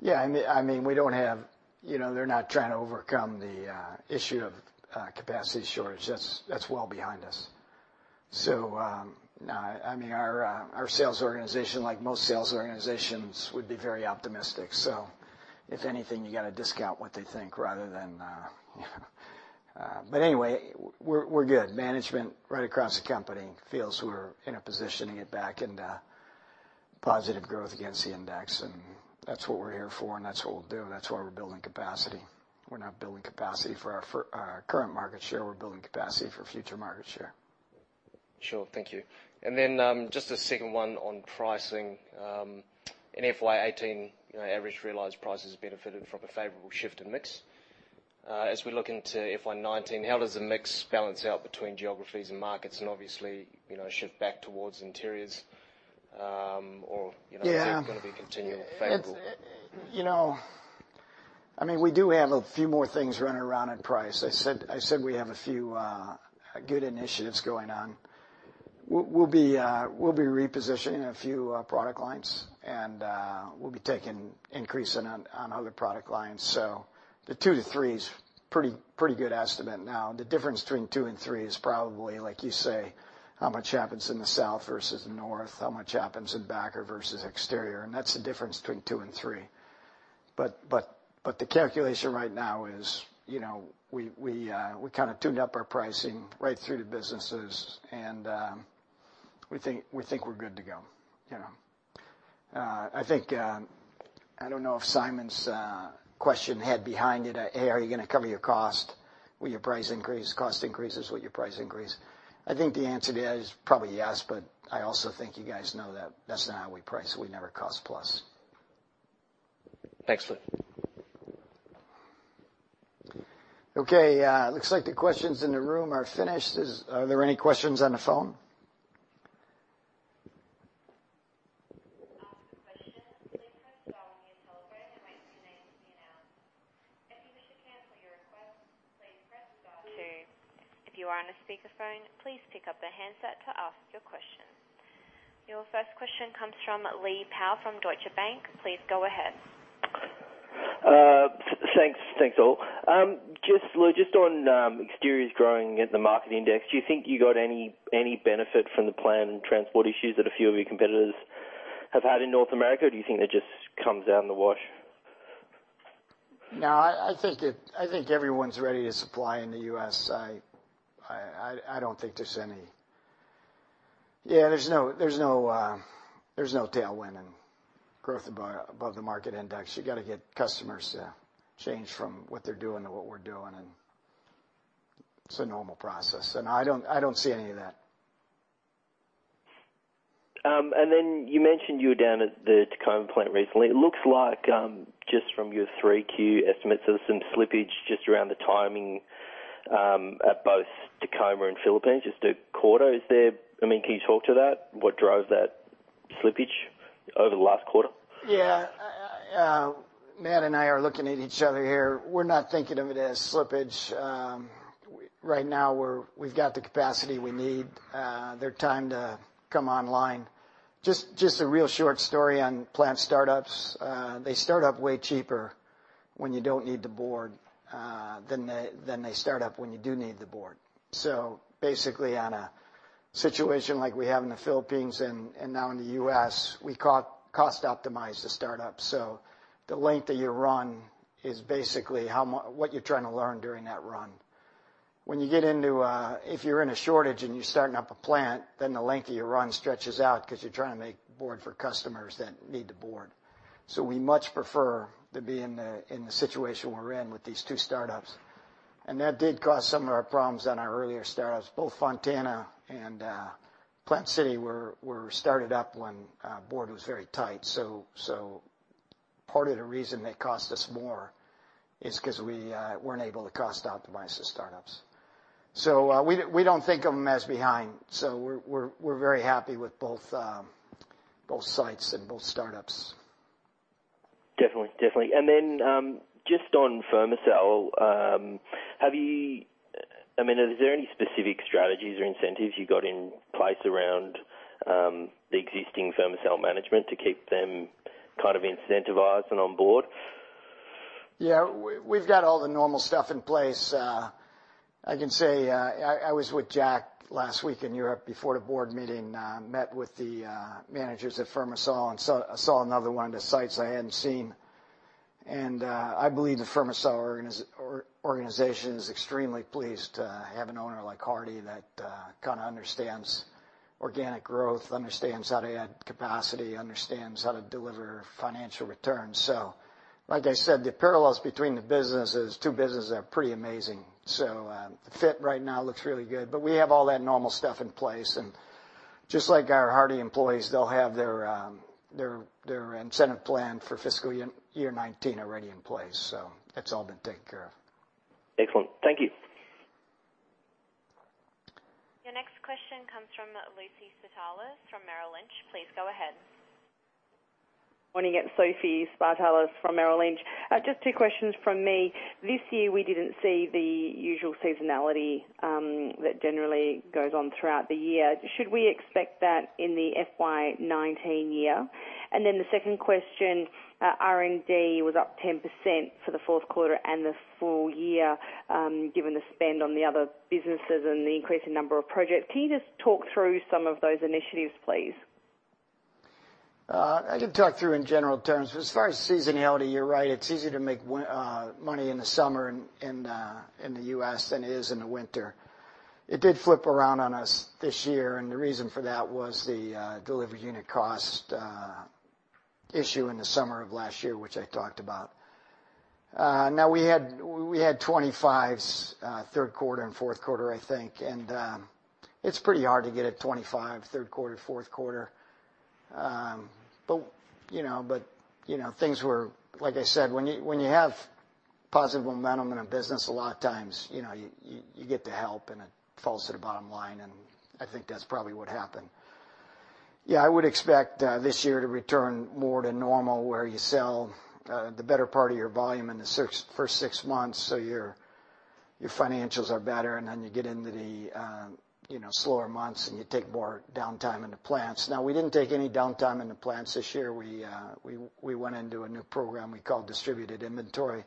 Yeah, I mean, we don't have. You know, they're not trying to overcome the issue of capacity shortage. That's well behind us. So, no, I mean, our sales organization, like most sales organizations, would be very optimistic. So if anything, you gotta discount what they think rather than you know. But anyway, we're good. Management right across the company feels we're in a positioning it back into positive growth against the index, and that's what we're here for, and that's what we'll do, and that's why we're building capacity. We're not building capacity for our current market share. We're building capacity for future market share. Sure. Thank you. And then, just a second one on pricing. In FY 2018, you know, average realized prices benefited from a favorable shift in mix. As we look into FY 2019, how does the mix balance out between geographies and markets and obviously, you know, shift back towards interiors, or, you know- Yeah. Is it gonna be continually favorable? It's. You know, I mean, we do have a few more things running around in price. I said we have a few good initiatives going on. We'll be repositioning a few product lines, and we'll be taking an increase on other product lines. So the two to three is a pretty good estimate now. The difference between two and three is probably, like you say, how much happens in the south versus the north, how much happens in backer versus exterior, and that's the difference between two and three. But the calculation right now is, you know, we kind of tuned up our pricing right through the businesses, and we think we're good to go, you know. I think, I don't know if Simon's question had behind it, A, are you gonna cover your cost? Will your price increase, cost increases, will your price increase? I think the answer to that is probably yes, but I also think you guys know that that's not how we price. We never cost plus. Thanks, Lou. Okay, looks like the questions in the room are finished. Are there any questions on the phone? To ask a question, please press star on your telephone, and your name will be announced. If you wish to cancel your request, please press dot two. If you are on a speakerphone, please pick up the handset to ask your question. Your first question comes from Lee Powell from Deutsche Bank. Please go ahead. Thanks, all. Just Lou, just on exteriors growing at the market index, do you think you got any benefit from the planned transport issues that a few of your competitors have had in North America, or do you think that just comes out in the wash? No, I think it-- I think everyone's ready to supply in the U.S. I don't think there's any... Yeah, there's no tailwind in growth above the market index. You got to get customers to change from what they're doing to what we're doing, and it's a normal process, and I don't see any of that. And then you mentioned you were down at the Tacoma plant recently. It looks like, just from your 3Q estimates, there's some slippage just around the timing, at both Tacoma and Philippines, just a quarter. Is there? I mean, can you talk to that? What drove that slippage over the last quarter? Yeah, Matt and I are looking at each other here. We're not thinking of it as slippage. Right now, we've got the capacity we need. They're timed to come online. Just a real short story on plant startups. They start up way cheaper when you don't need the board than they start up when you do need the board. So basically, on a situation like we have in the Philippines and now in the U.S., we cost optimize the startup. So the length of your run is basically what you're trying to learn during that run. When you get into a shortage and you're starting up a plant, then the length of your run stretches out because you're trying to make board for customers that need the board. So we much prefer to be in the situation we're in with these two startups. And that did cause some of our problems on our earlier startups. Both Fontana and Plant City were started up when board was very tight. So part of the reason they cost us more is 'cause we weren't able to cost optimize the startups. So we don't think of them as behind, so we're very happy with both sites and both startups. Definitely. And then, just on Fermacell, have you—I mean, is there any specific strategies or incentives you got in place around the existing Fermacell management to keep them kind of incentivized and on board? Yeah, we've got all the normal stuff in place. I can say, I was with Jack last week in Europe before the board meeting, met with the managers at Fermacell, and saw another one of the sites I hadn't seen. I believe the Fermacell organization is extremely pleased to have an owner like Hardie that kind of understands organic growth, understands how to add capacity, understands how to deliver financial returns. Like I said, the parallels between the two businesses are pretty amazing. The fit right now looks really good, but we have all that normal stuff in place, and just like our Hardie employees, they'll have their incentive plan for fiscal year 2019 already in place, so it's all been taken care of. Excellent. Thank you. Your next question comes from Sophie Spartalis from Merrill Lynch. Please go ahead. Morning, it's Sophie Spartalis from Merrill Lynch. Just two questions from me. This year, we didn't see the usual seasonality that generally goes on throughout the year. Should we expect that in the FY 2019 year? And then the second question, R&D was up 10% for the fourth quarter and the full year, given the spend on the other businesses and the increasing number of projects. Can you just talk through some of those initiatives, please? I can talk through in general terms, but as far as seasonality, you're right, it's easier to make money in the summer in the U.S. than it is in the winter. It did flip around on us this year, and the reason for that was the delivered unit cost issue in the summer of last year, which I talked about. Now we had twenty-fives third quarter and fourth quarter, I think, and it's pretty hard to get a twenty-five third quarter fourth quarter, but you know, but you know, things were... Like I said, when you have positive momentum in a business, a lot of times, you know, you get the help, and it falls to the bottom line, and I think that's probably what happened. Yeah, I would expect this year to return more to normal, where you sell the better part of your volume in the first six months, so your financials are better, and then you get into the, you know, slower months, and you take more downtime in the plants. Now, we didn't take any downtime in the plants this year. We went into a new program we call distributed inventory,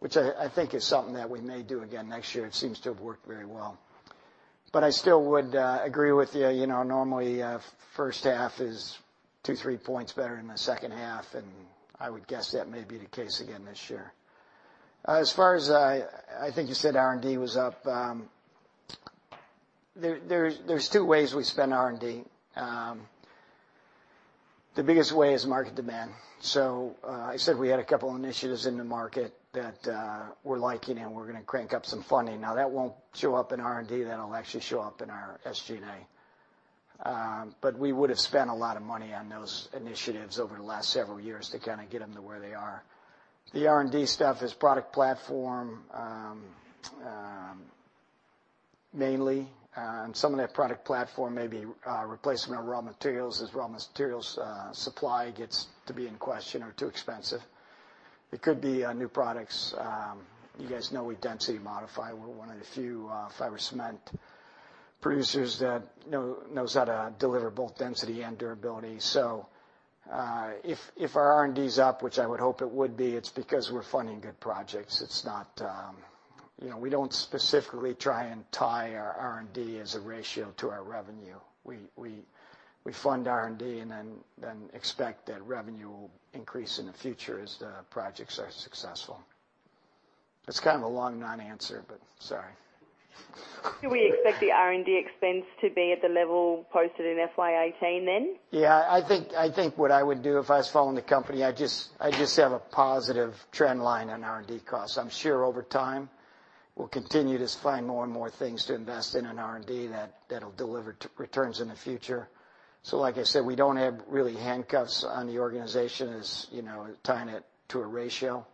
which I think is something that we may do again next year. It seems to have worked very well. But I still would agree with you. You know, normally, first half is two, three points better than the second half, and I would guess that may be the case again this year. As far as, I think you said R&D was up. There's two ways we spend R&D. The biggest way is market demand. So, I said we had a couple initiatives in the market that we're liking, and we're gonna crank up some funding. Now, that won't show up in R&D, that'll actually show up in our SG&A. But we would have spent a lot of money on those initiatives over the last several years to kinda get them to where they are. The R&D stuff is product platform, mainly, and some of that product platform may be replacement of raw materials, as raw materials supply gets to be in question or too expensive. It could be new products. You guys know we density modify. We're one of the few fiber cement producers that knows how to deliver both density and durability. So, if our R&D is up, which I would hope it would be, it's because we're funding good projects. It's not... You know, we don't specifically try and tie our R&D as a ratio to our revenue. We fund R&D and then expect that revenue will increase in the future as the projects are successful. That's kind of a long non-answer, but sorry. Do we expect the R&D expense to be at the level posted in FY 2018 then? Yeah, I think what I would do if I was following the company, I'd just have a positive trend line on R&D costs. I'm sure over time we'll continue to find more and more things to invest in, in R&D, that'll deliver returns in the future. So like I said, we don't have really handcuffs on the organization, as you know, tying it to a ratio.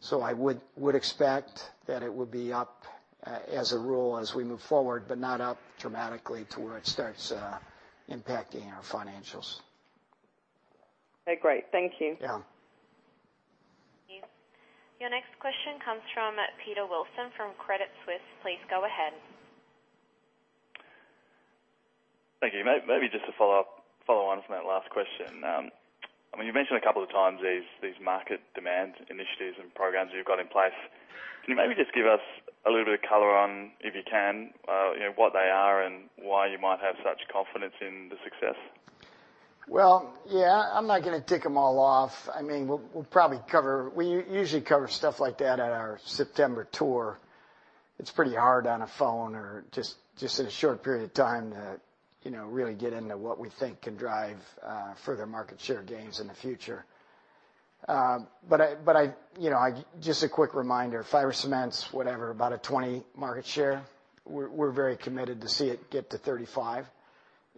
So I would expect that it will be up as a rule, as we move forward, but not up dramatically to where it starts impacting our financials. Okay, great. Thank you. Yeah. Your next question comes from Peter Wilson from Credit Suisse. Please go ahead. Thank you. Maybe just to follow up, follow on from that last question. I mean, you've mentioned a couple of times these, these market demand initiatives and programs you've got in place. Can you maybe just give us a little bit of color on, if you can, you know, what they are and why you might have such confidence in the success? Yeah, I'm not gonna tick them all off. I mean, we'll probably cover. We usually cover stuff like that at our September tour. It's pretty hard on a phone or just in a short period of time to, you know, really get into what we think can drive further market share gains in the future. But I, you know, I just a quick reminder, fiber cements, whatever, about a 20% market share. We're very committed to see it get to 35%.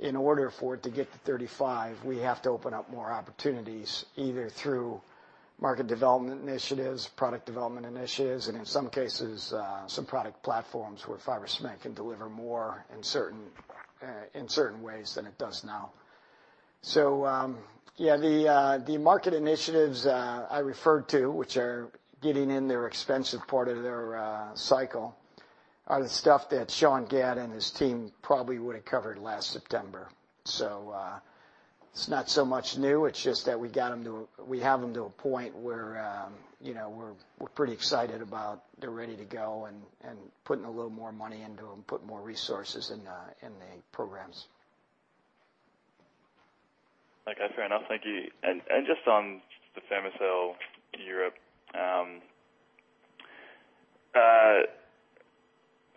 In order for it to get to 35%, we have to open up more opportunities, either through market development initiatives, product development initiatives, and in some cases, some product platforms where fiber cement can deliver more in certain ways than it does now. Yeah, the market initiatives I referred to, which are getting in their expensive part of their cycle, are the stuff that Sean Gadd and his team probably would've covered last September. It's not so much new. It's just that we have them to a point where, you know, we're pretty excited about. They're ready to go and putting a little more money into them, put more resources in the programs. Okay. Fair enough. Thank you. And, and just on the Fermacell in Europe,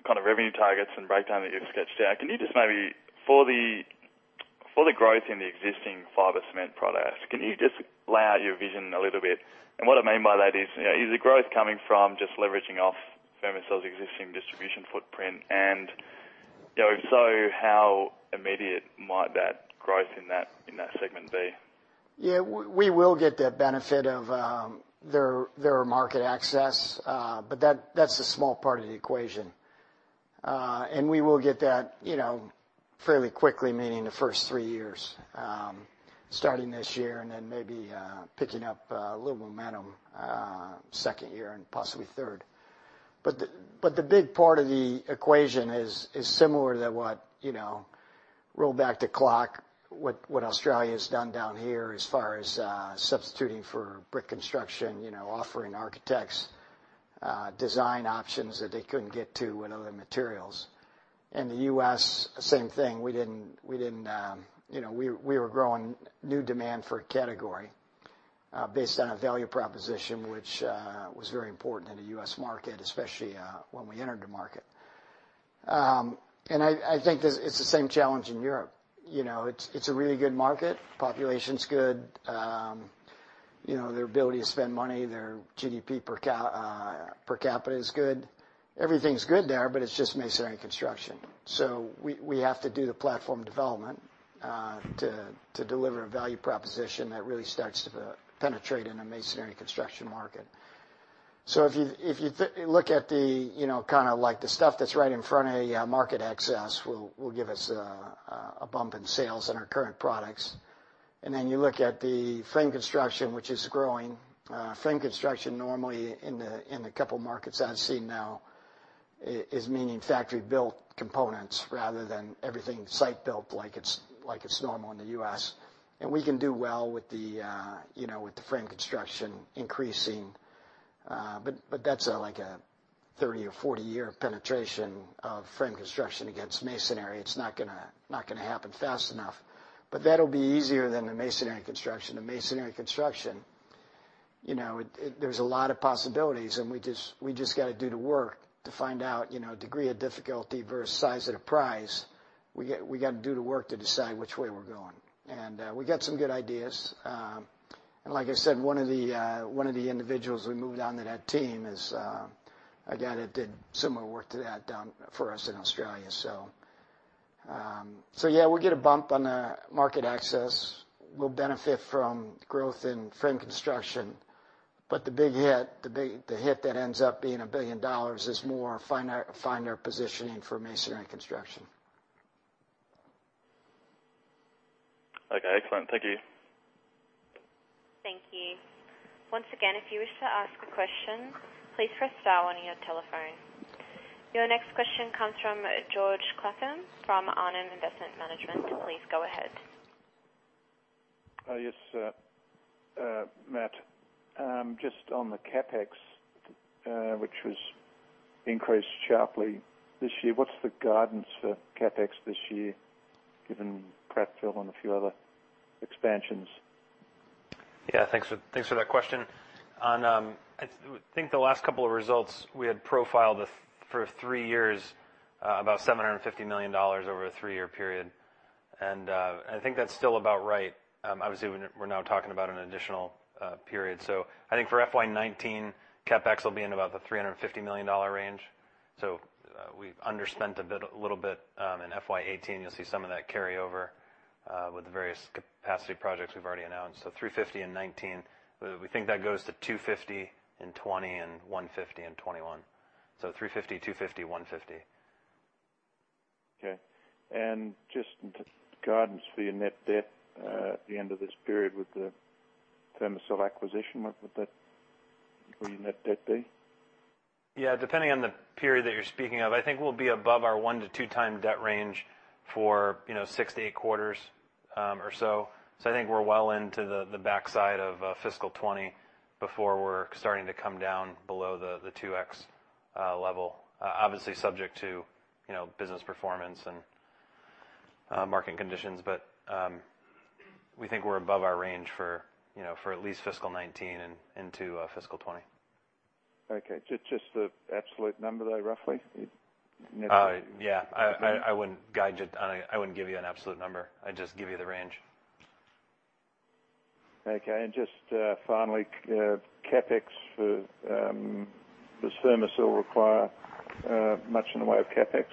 kind of revenue targets and breakdown that you've sketched out, can you just maybe, for the, for the growth in the existing fiber cement products, can you just lay out your vision a little bit? And what I mean by that is, you know, is the growth coming from just leveraging off Fermacell's existing distribution footprint? And, you know, if so, how immediate might that growth in that, in that segment be? Yeah, we will get the benefit of their market access, but that's a small part of the equation. We will get that, you know, fairly quickly, meaning the first three years, starting this year, and then maybe picking up a little momentum, second year and possibly third. But the big part of the equation is similar to what, you know, roll back the clock, what Australia has done down here as far as substituting for brick construction, you know, offering architects design options that they couldn't get to with other materials. In the U.S., same thing. You know, we were growing new demand for a category based on a value proposition, which was very important in the U.S. market, especially when we entered the market. I think this. It's the same challenge in Europe. You know, it's a really good market. Population's good. You know, their ability to spend money, their GDP per capita is good. Everything's good there, but it's just masonry construction, so we have to do the platform development to deliver a value proposition that really starts to penetrate in the masonry construction market. So if you look at the, you know, kind of like the stuff that's right in front of you, market access will give us a bump in sales in our current products. And then you look at the frame construction, which is growing. Frame construction normally in the couple markets I've seen now is meaning factory-built components rather than everything site-built, like it's normal in the U.S. And we can do well with the, you know, with the frame construction increasing, but that's like a 30 or 40 year penetration of frame construction against masonry. It's not gonna happen fast enough. But that'll be easier than the masonry construction. The masonry construction, you know, there's a lot of possibilities, and we just gotta do the work to find out, you know, degree of difficulty versus size of the prize. We gotta do the work to decide which way we're going. And we got some good ideas. And like I said, one of the individuals we moved on to that team is a guy that did similar work to that down for us in Australia. So, so yeah, we'll get a bump on the market access. We'll benefit from growth in frame construction. But the big hit that ends up being $1 billion is more find our positioning for masonry construction. Okay, excellent. Thank you. Thank you. Once again, if you wish to ask a question, please press star on your telephone. Your next question comes from George Claflin from Arnhem Investment Management. Please go ahead. Yes, Matt, just on the CapEx, which was increased sharply this year, what's the guidance for CapEx this year, given Prattville and a few other expansions? Yeah, thanks for, thanks for that question. On, I think the last couple of results, we had profiled the, for three years, about $750 million over a three-year period. I think that's still about right. Obviously, we're now talking about an additional period. So I think for FY 2019, CapEx will be in about the $350 million range. So, we've underspent a bit, a little bit, in FY 2018. You'll see some of that carry over with the various capacity projects we've already announced. So $350 million in 2019. We think that goes to $250 million in 2020, and $150 million in 2021. So $350 million, $250 million, $150 million. Okay. And just the guidance for your net debt at the end of this period with the Fermacell acquisition, what would that, where your net debt be? Yeah, depending on the period that you're speaking of, I think we'll be above our one to two times debt range for, you know, six to eight quarters or so. So I think we're well into the backside of fiscal 2020 before we're starting to come down below the 2x level. Obviously, subject to, you know, business performance and market conditions, but we think we're above our range for, you know, for at least fiscal 2019 and into fiscal 2020. Okay. So just the absolute number, though, roughly? Yeah. I wouldn't guide you on it. I wouldn't give you an absolute number. I'd just give you the range. Okay, and just finally, CapEx for Fermacell, does Fermacell require much in the way of CapEx?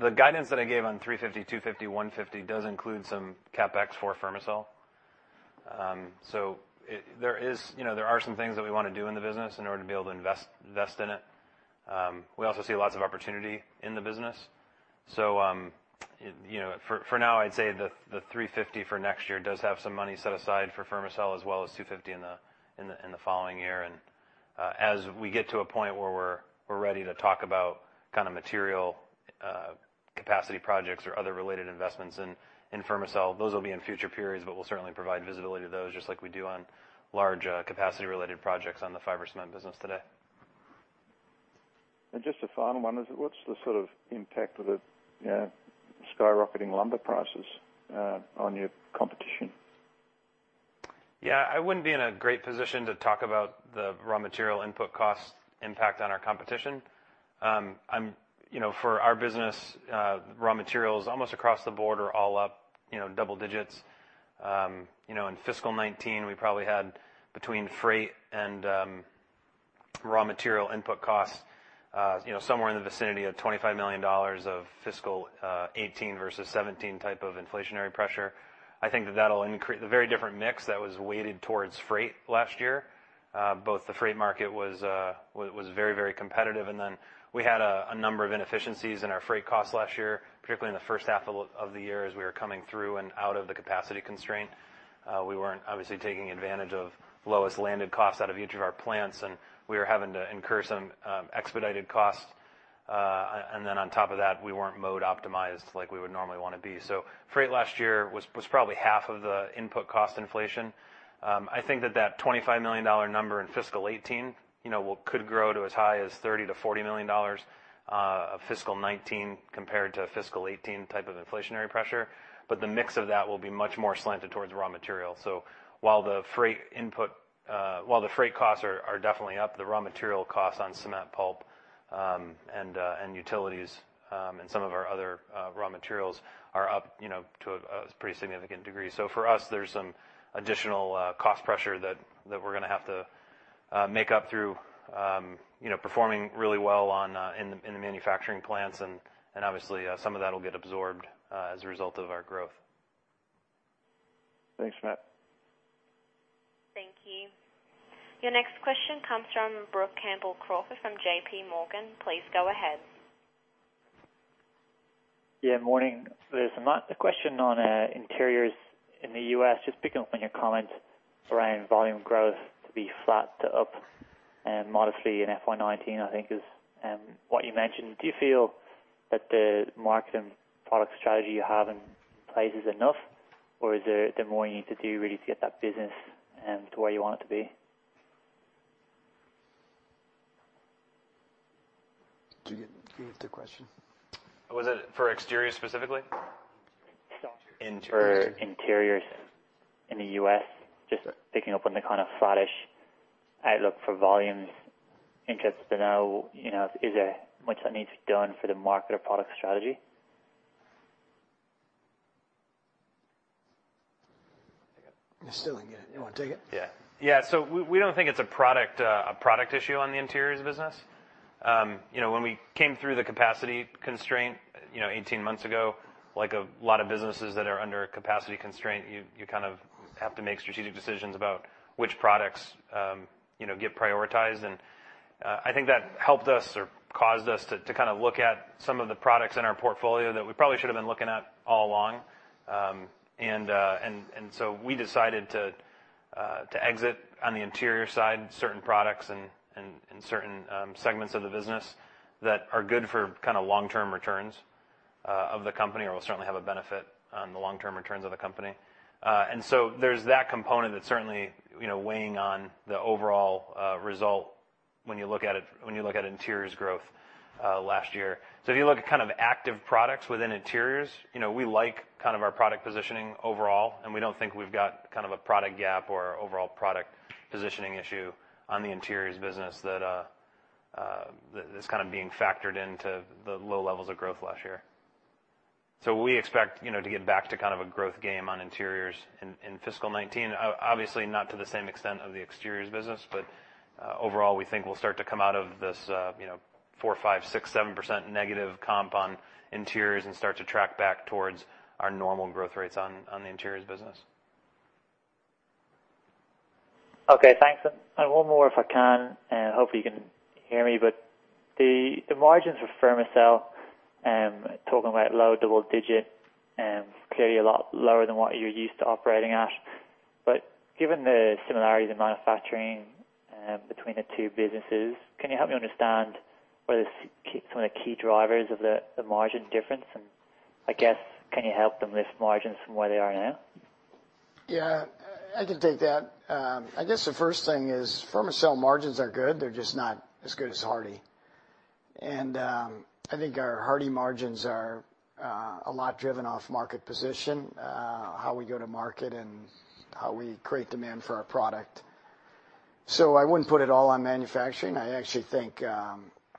The guidance that I gave on $350, $250, $150 does include some CapEx for Fermacell. So there is, you know, there are some things that we wanna do in the business in order to be able to invest in it. We also see lots of opportunity in the business. So, you know, for now, I'd say the $350 for next year does have some money set aside for Fermacell, as well as $250 in the following year. As we get to a point where we're ready to talk about kind of material capacity projects or other related investments in Fermacell, those will be in future periods. But we'll certainly provide visibility to those, just like we do on large capacity-related projects on the fiber cement business today. And just a final one, is what's the sort of impact of the, you know, skyrocketing lumber prices on your competition? Yeah, I wouldn't be in a great position to talk about the raw material input cost impact on our competition. I'm. You know, for our business, raw materials, almost across the board, are all up, you know, double digits. You know, in fiscal 2019, we probably had between freight and raw material input costs, you know, somewhere in the vicinity of $25 million of fiscal 2018 versus 2017 type of inflationary pressure. I think that that'll increase. The very different mix that was weighted towards freight last year. Both the freight market was very, very competitive, and then we had a number of inefficiencies in our freight costs last year, particularly in the first half of the year, as we were coming through and out of the capacity constraint. We weren't obviously taking advantage of lowest landed costs out of each of our plants, and we were having to incur some expedited costs, and then on top of that, we weren't mode optimized like we would normally wanna be, so freight last year was probably half of the input cost inflation. I think that $25 million number in fiscal 2018, you know, could grow to as high as $30-$40 million of fiscal 2019 compared to fiscal 2018 type of inflationary pressure, but the mix of that will be much more slanted towards raw materials. So while the freight input, while the freight costs are definitely up, the raw material costs on cement pulp, and utilities, and some of our other raw materials are up, you know, to a pretty significant degree. So for us, there's some additional cost pressure that we're gonna have to make up through, you know, performing really well in the manufacturing plants. And obviously, some of that will get absorbed as a result of our growth. Thanks, Matt. Thank you. Your next question comes from Brook Campbell-Crawford from JPMorgan. Please go ahead. Yeah, morning, listen, Matt, a question on interiors in the U.S. Just picking up on your comments around volume growth to be flat to up and modestly in FY 2019, I think, is what you mentioned. Do you feel that the market and product strategy you have in place is enough, or is there more you need to do really to get that business to where you want it to be? Did you get the question? Was it for exteriors specifically? For interiors in the U.S. Just picking up on the kind of flattish outlook for volumes, interested to know, you know, is there much that needs to be done for the market or product strategy? I still didn't get it. You wanna take it? Yeah. Yeah, so we don't think it's a product issue on the interiors business. You know, when we came through the capacity constraint, you know, 18 months ago, like a lot of businesses that are under a capacity constraint, you kind of have to make strategic decisions about which products, you know, get prioritized. And I think that helped us or caused us to kind of look at some of the products in our portfolio that we probably should have been looking at all along. And so we decided to exit on the interior side, certain products and certain segments of the business that are good for kind of long-term returns of the company, or will certainly have a benefit on the long-term returns of the company. And so there's that component that's certainly, you know, weighing on the overall result when you look at it, when you look at interiors growth last year. So if you look at kind of active products within interiors, you know, we like kind of our product positioning overall, and we don't think we've got kind of a product gap or overall product positioning issue on the interiors business that that's kind of being factored into the low levels of growth last year. So we expect, you know, to get back to kind of a growth game on interiors in fiscal 2019. Obviously, not to the same extent as the exteriors business, but overall, we think we'll start to come out of this, you know, 4%-7% negative comp on interiors and start to track back towards our normal growth rates on the interiors business. Okay, thanks. And one more, if I can, and hopefully you can hear me. But the margins for Fermacell, talking about low double digit, clearly a lot lower than what you're used to operating at. But given the similarities in manufacturing, between the two businesses, can you help me understand what are some of the key drivers of the margin difference? And I guess, can you help them lift margins from where they are now? Yeah, I can take that. I guess the first thing is, Fermacell margins are good, they're just not as good as Hardie. And, I think our Hardie margins are, a lot driven off market position, how we go to market, and how we create demand for our product. So I wouldn't put it all on manufacturing. I actually think,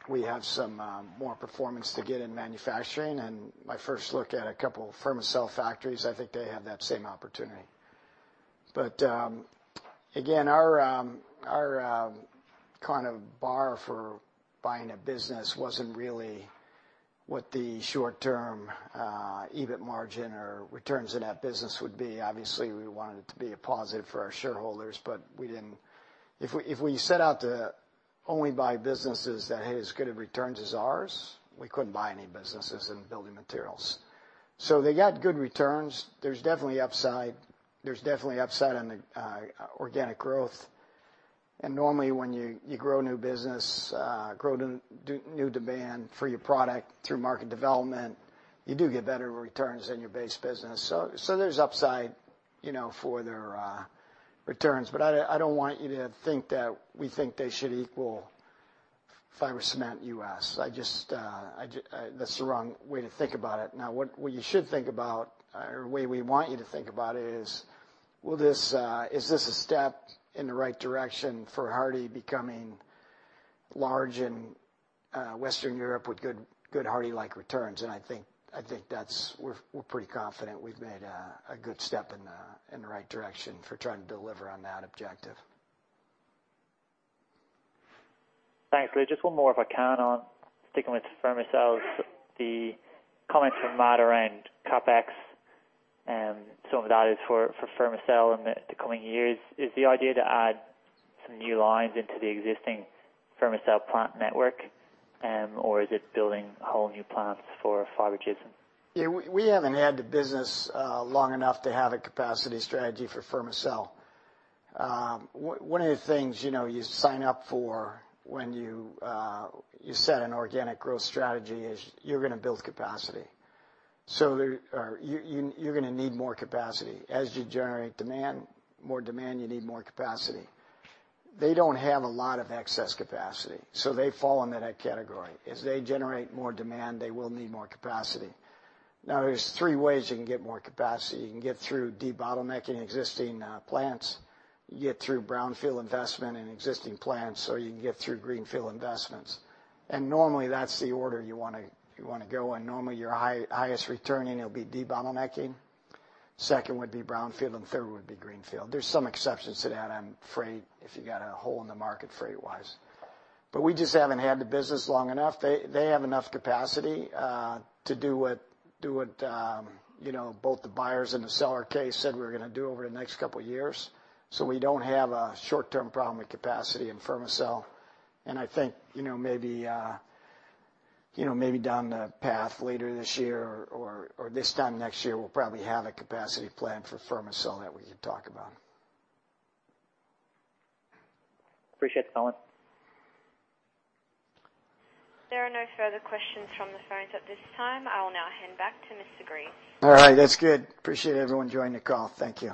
we have some, more performance to get in manufacturing, and my first look at a couple Fermacell factories, I think they have that same opportunity. But, again, our, kind of bar for buying a business wasn't really what the short-term, EBIT margin or returns in that business would be. Obviously, we wanted it to be a positive for our shareholders, but we didn't. If we, if we set out to only buy businesses that has as good a returns as ours, we couldn't buy any businesses in building materials. So they got good returns. There's definitely upside, there's definitely upside on the organic growth. And normally, when you, you grow new business, grow new demand for your product through market development, you do get better returns than your base business. So, so there's upside, you know, for their returns. But I, I don't want you to think that we think they should equal Fiber Cement US. I just that's the wrong way to think about it. Now, what you should think about, or the way we want you to think about it is, is this a step in the right direction for Hardie becoming large in Western Europe with good Hardie-like returns? And I think that's. We're pretty confident we've made a good step in the right direction for trying to deliver on that objective. Thanks. Just one more, if I can, on sticking with Fermacell. The comment from Matt around CapEx and some of the guidance for Fermacell in the coming years. Is the idea to add some new lines into the existing Fermacell plant network, or is it building whole new plants for Fiber Gypsum? Yeah, we haven't had the business long enough to have a capacity strategy for Fermacell. One of the things, you know, you sign up for when you set an organic growth strategy is you're gonna build capacity. So there, you're gonna need more capacity. As you generate demand, more demand, you need more capacity. They don't have a lot of excess capacity, so they fall into that category. As they generate more demand, they will need more capacity. Now, there's three ways you can get more capacity. You can get through debottlenecking existing plants, you can get through brownfield investment in existing plants, or you can get through greenfield investments. Normally, that's the order you wanna go in. Normally, your highest returning, it'll be debottlenecking, second would be brownfield, and third would be greenfield. There's some exceptions to that, I'm afraid, if you got a hole in the market freight-wise. But we just haven't had the business long enough. They have enough capacity to do what you know, both the buyers and the seller case said we're gonna do over the next couple of years. So we don't have a short-term problem with capacity in Fermacell. And I think you know, maybe down the path later this year or this time next year, we'll probably have a capacity plan for Fermacell that we can talk about. Appreciate the comment. There are no further questions from the phones at this time. I will now hand back to Mr. Gries. All right, that's good. Appreciate everyone joining the call. Thank you.